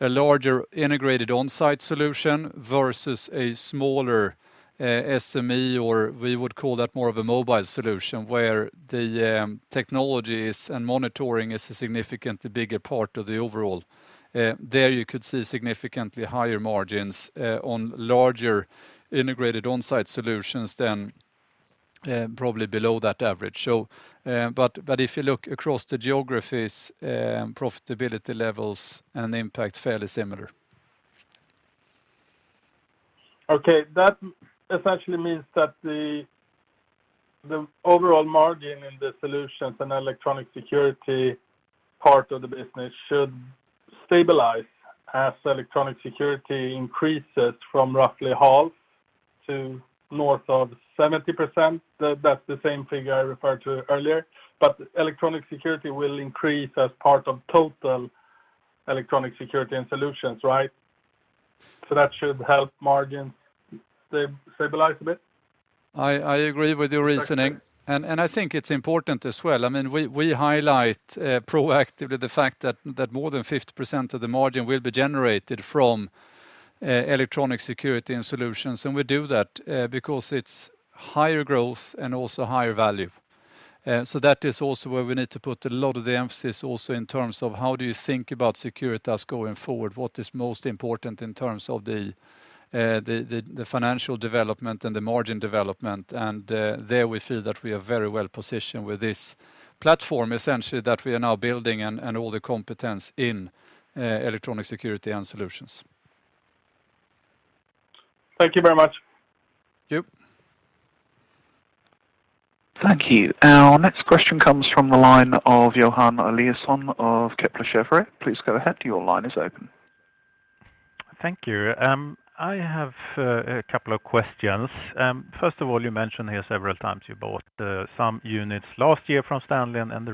a larger integrated on-site solution versus a smaller, SME, or we would call that more of a mobile solution where the, technologies and monitoring is a significantly bigger part of the overall, there you could see significantly higher margins, on larger integrated on-site solutions than, probably below that average. If you look across the geographies, profitability levels and impact, fairly similar. Okay. That essentially means that the overall margin in the solutions and electronic security part of the business should stabilize as electronic security increases from roughly half to north of 70%. That's the same figure I referred to earlier. Electronic security will increase as part of total electronic security and solutions, right? That should help margin stabilize a bit? I agree with your reasoning. Okay. I think it's important as well. I mean, we highlight proactively the fact that more than 50% of the margin will be generated from electronic security and solutions, and we do that because it's higher growth and also higher value. That is also where we need to put a lot of the emphasis also in terms of how do you think about Securitas going forward? What is most important in terms of the financial development and the margin development? There we feel that we are very well positioned with this platform essentially that we are now building and all the competence in electronic security and solutions. Thank you very much. Thank you. Thank you. Our next question comes from the line of Johan Eliason of Kepler Cheuvreux. Please go ahead. Your line is open. Thank you. I have a couple of questions. First of all, you mentioned here several times you bought some units last year from Stanley and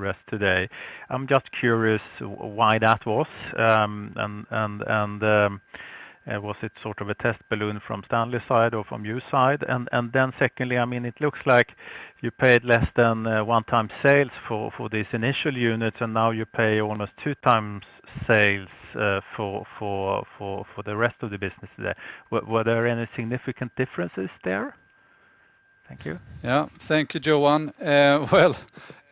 was it sort of a test balloon from Stanley's side or from your side? Then secondly, I mean, it looks like you paid less than one times sales for these initial units, and now you pay almost two times sales for the rest of the business today. Were there any significant differences there? Thank you. Yeah. Thank you, Johan. Well,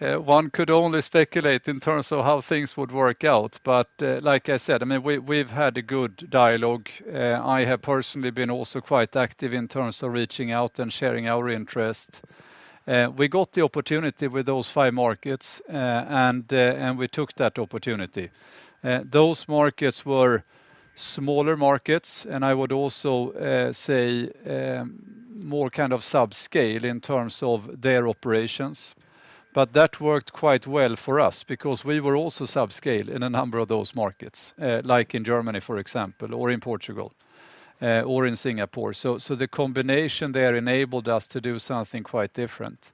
one could only speculate in terms of how things would work out, but like I said, I mean, we've had a good dialogue. I have personally been also quite active in terms of reaching out and sharing our interest. We got the opportunity with those five markets, and we took that opportunity. Those markets were smaller markets, and I would also say more kind of subscale in terms of their operations. That worked quite well for us because we were also subscale in a number of those markets, like in Germany, for example, or in Portugal, or in Singapore. The combination there enabled us to do something quite different.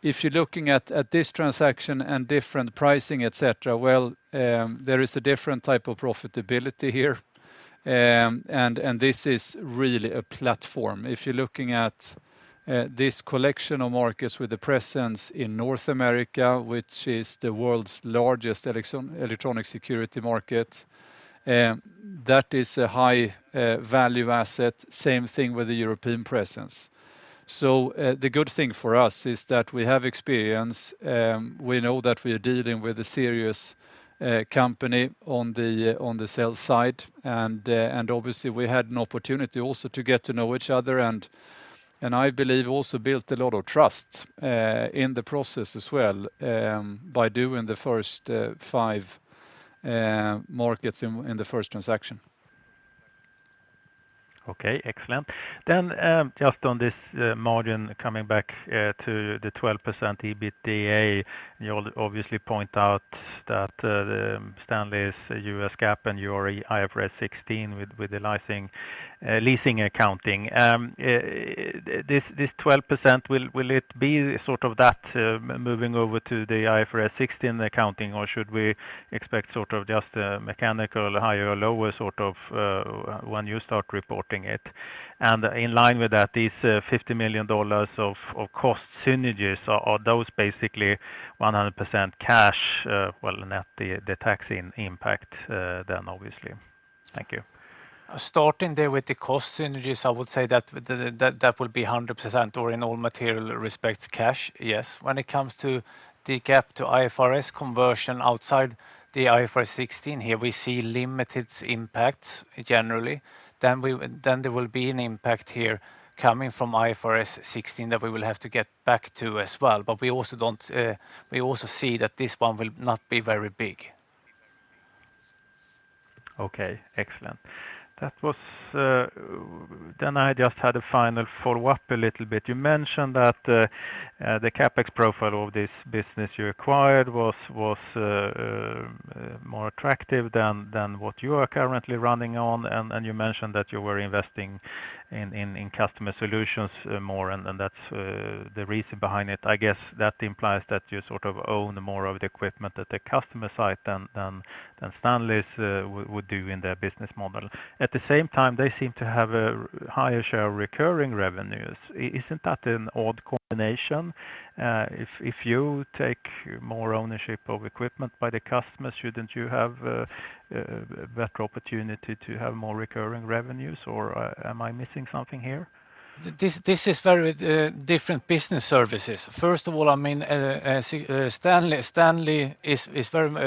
If you're looking at this transaction and different pricing, et cetera, well, there is a different type of profitability here. This is really a platform. If you're looking at this collection of markets with the presence in North America, which is the world's largest electronic security market, that is a high value asset. Same thing with the European presence. The good thing for us is that we have experience. We know that we are dealing with a serious company on the sales side. Obviously we had an opportunity also to get to know each other and I believe also built a lot of trust in the process as well by doing the first five markets in the first transaction. Okay. Excellent. Just on this, margin coming back to the 12% EBITDA, you obviously point out that, the Stanley's U.S. GAAP and your IFRS 16 with the leasing accounting. This 12% will it be sort of that moving over to the IFRS 16 accounting, or should we expect sort of just a mechanical higher or lower sort of when you start reporting it? And in line with that, these $50 million of cost synergies, are those basically 100% cash? Well, net the tax impact, then obviously. Thank you. Starting there with the cost synergies, I would say that that would be 100% or in all material respects, cash. Yes. When it comes to the GAAP to IFRS conversion outside the IFRS 16, here we see limited impacts generally. There will be an impact here coming from IFRS 16 that we will have to get back to as well. We also see that this one will not be very big. Okay. Excellent. I just had a final follow-up a little bit. You mentioned that the CapEx profile of this business you acquired was more attractive than what you are currently running on. You mentioned that you were investing in customer solutions more and that's the reason behind it. I guess that implies that you sort of own more of the equipment at the customer site than Stanley’s would do in their business model. At the same time, they seem to have a higher share of recurring revenues. Isn't that an odd combination? If you take more ownership of equipment by the customer, shouldn't you have better opportunity to have more recurring revenues, or am I missing something here? This is very different business services. First of all, I mean, see, Stanley.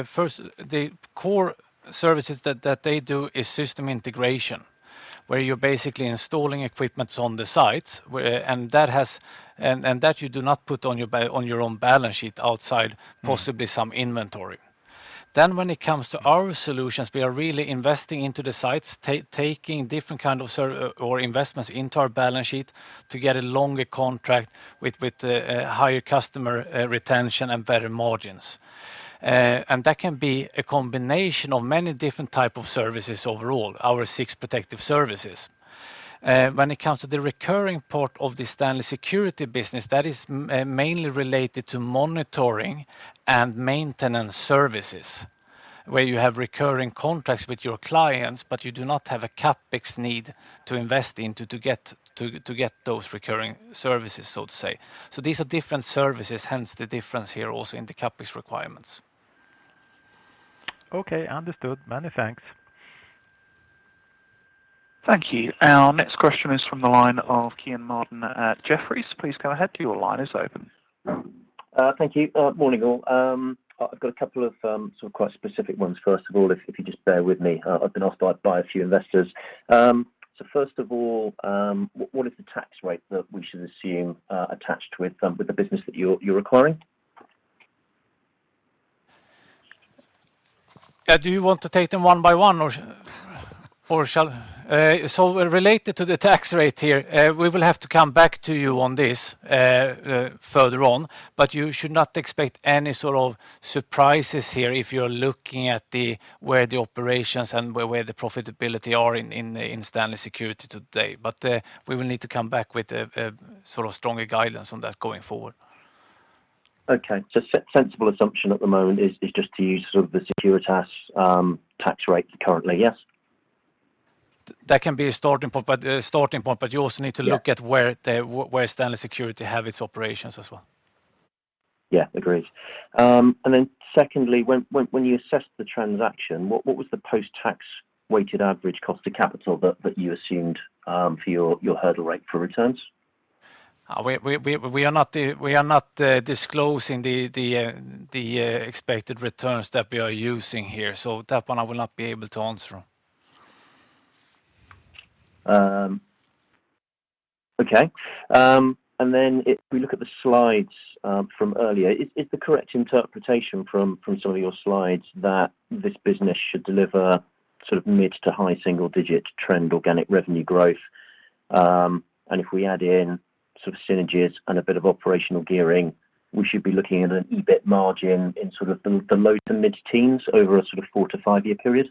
First, the core services that they do is system integration, where you're basically installing equipment on the sites and that you do not put on your own balance sheet outside possibly some inventory. When it comes to our solutions, we are really investing into the sites, taking different kind of services or investments into our balance sheet to get a longer contract with higher customer retention and better margins. That can be a combination of many different type of services overall, our six protective services. When it comes to the recurring part of the STANLEY Security business, that is mainly related to monitoring and maintenance services, where you have recurring contracts with your clients, but you do not have a CapEx need to invest into to get those recurring services, so to say. These are different services, hence the difference here also in the CapEx requirements. Okay. Understood. Many thanks. Thank you. Our next question is from the line of Ian Martin at Jefferies. Please go ahead. Your line is open. Thank you. Morning, all. I've got a couple of sort of quite specific ones first of all, if you just bear with me. I've been asked by a few investors. First of all, what is the tax rate that we should assume attached with the business that you're acquiring? Do you want to take them one by one or shall? Related to the tax rate here, we will have to come back to you on this further on. You should not expect any sort of surprises here if you're looking at where the operations and the profitability are in STANLEY Security today. We will need to come back with a sort of stronger guidance on that going forward. Okay. Sensible assumption at the moment is just to use sort of the Securitas tax rate currently, yes? That can be a starting point, but you also need to- Yeah look at where STANLEY Security have its operations as well. Yeah, agreed. Secondly, when you assessed the transaction, what was the post-tax weighted average cost of capital that you assumed for your hurdle rate for returns? We are not disclosing the expected returns that we are using here, so that one I will not be able to answer. Okay. If we look at the slides from earlier, is the correct interpretation from some of your slides that this business should deliver sort of mid- to high single-digit trend organic revenue growth, and if we add in sort of synergies and a bit of operational gearing, we should be looking at an EBIT margin in sort of the low- to mid-teens over a sort of 4-5-year period?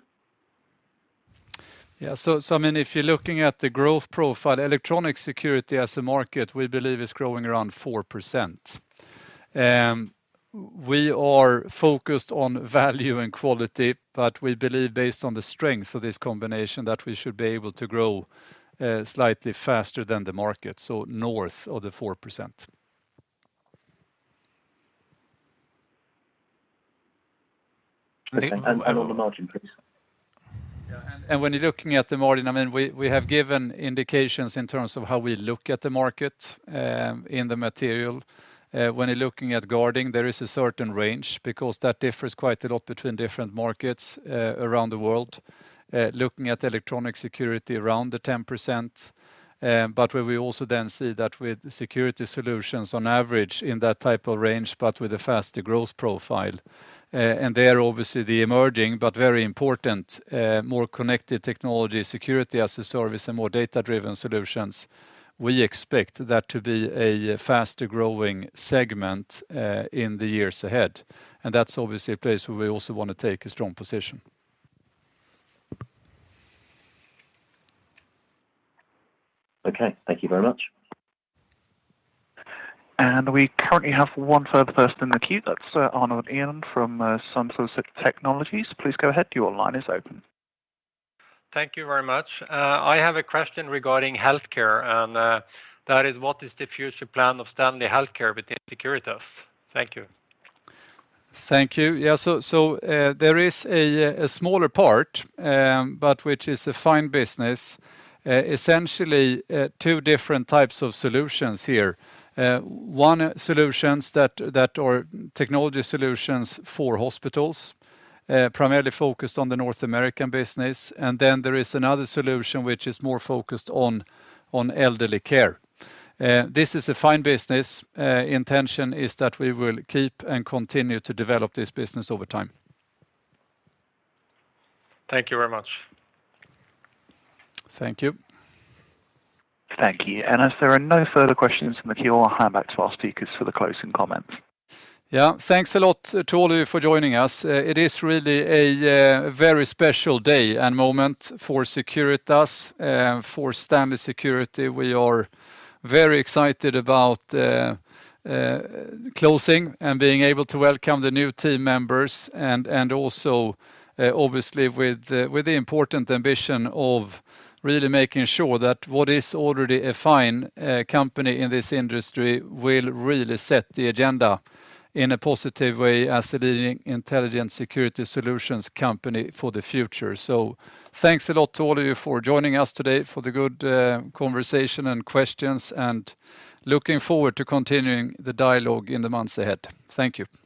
I mean, if you're looking at the growth profile, electronic security as a market, we believe is growing around 4%. We are focused on value and quality, but we believe based on the strength of this combination that we should be able to grow, slightly faster than the market, so north of the 4%. Okay. The- On the margin, please. When you're looking at the margin, I mean, we have given indications in terms of how we look at the market in the material. When you're looking at guarding, there is a certain range because that differs quite a lot between different markets around the world. Looking at electronic security, around 10%, but where we also then see that with security solutions on average in that type of range, but with a faster growth profile. There obviously the emerging but very important more connected technology security as a service and more data-driven solutions, we expect that to be a faster growing segment in the years ahead. That's obviously a place where we also wanna take a strong position. Okay. Thank you very much. We currently have one further person in the queue. That's Arnold Ian from [Samsung Technologies]. Please go ahead. Your line is open. Thank you very much. I have a question regarding healthcare, and that is, what is the future plan of STANLEY Healthcare within Securitas? Thank you. Thank you. Yeah. There is a smaller part, but which is a fine business. Essentially, two different types of solutions here. One solutions that are technology solutions for hospitals, primarily focused on the North American business. There is another solution which is more focused on elderly care. This is a fine business. Intention is that we will keep and continue to develop this business over time. Thank you very much. Thank you. Thank you. As there are no further questions in the queue, I'll hand back to our speakers for the closing comments. Yeah. Thanks a lot to all of you for joining us. It is really a very special day and moment for Securitas and for STANLEY Security. We are very excited about closing and being able to welcome the new team members and also obviously with the important ambition of really making sure that what is already a fine company in this industry will really set the agenda in a positive way as a leading intelligent security solutions company for the future. Thanks a lot to all of you for joining us today, for the good conversation and questions, and looking forward to continuing the dialogue in the months ahead. Thank you.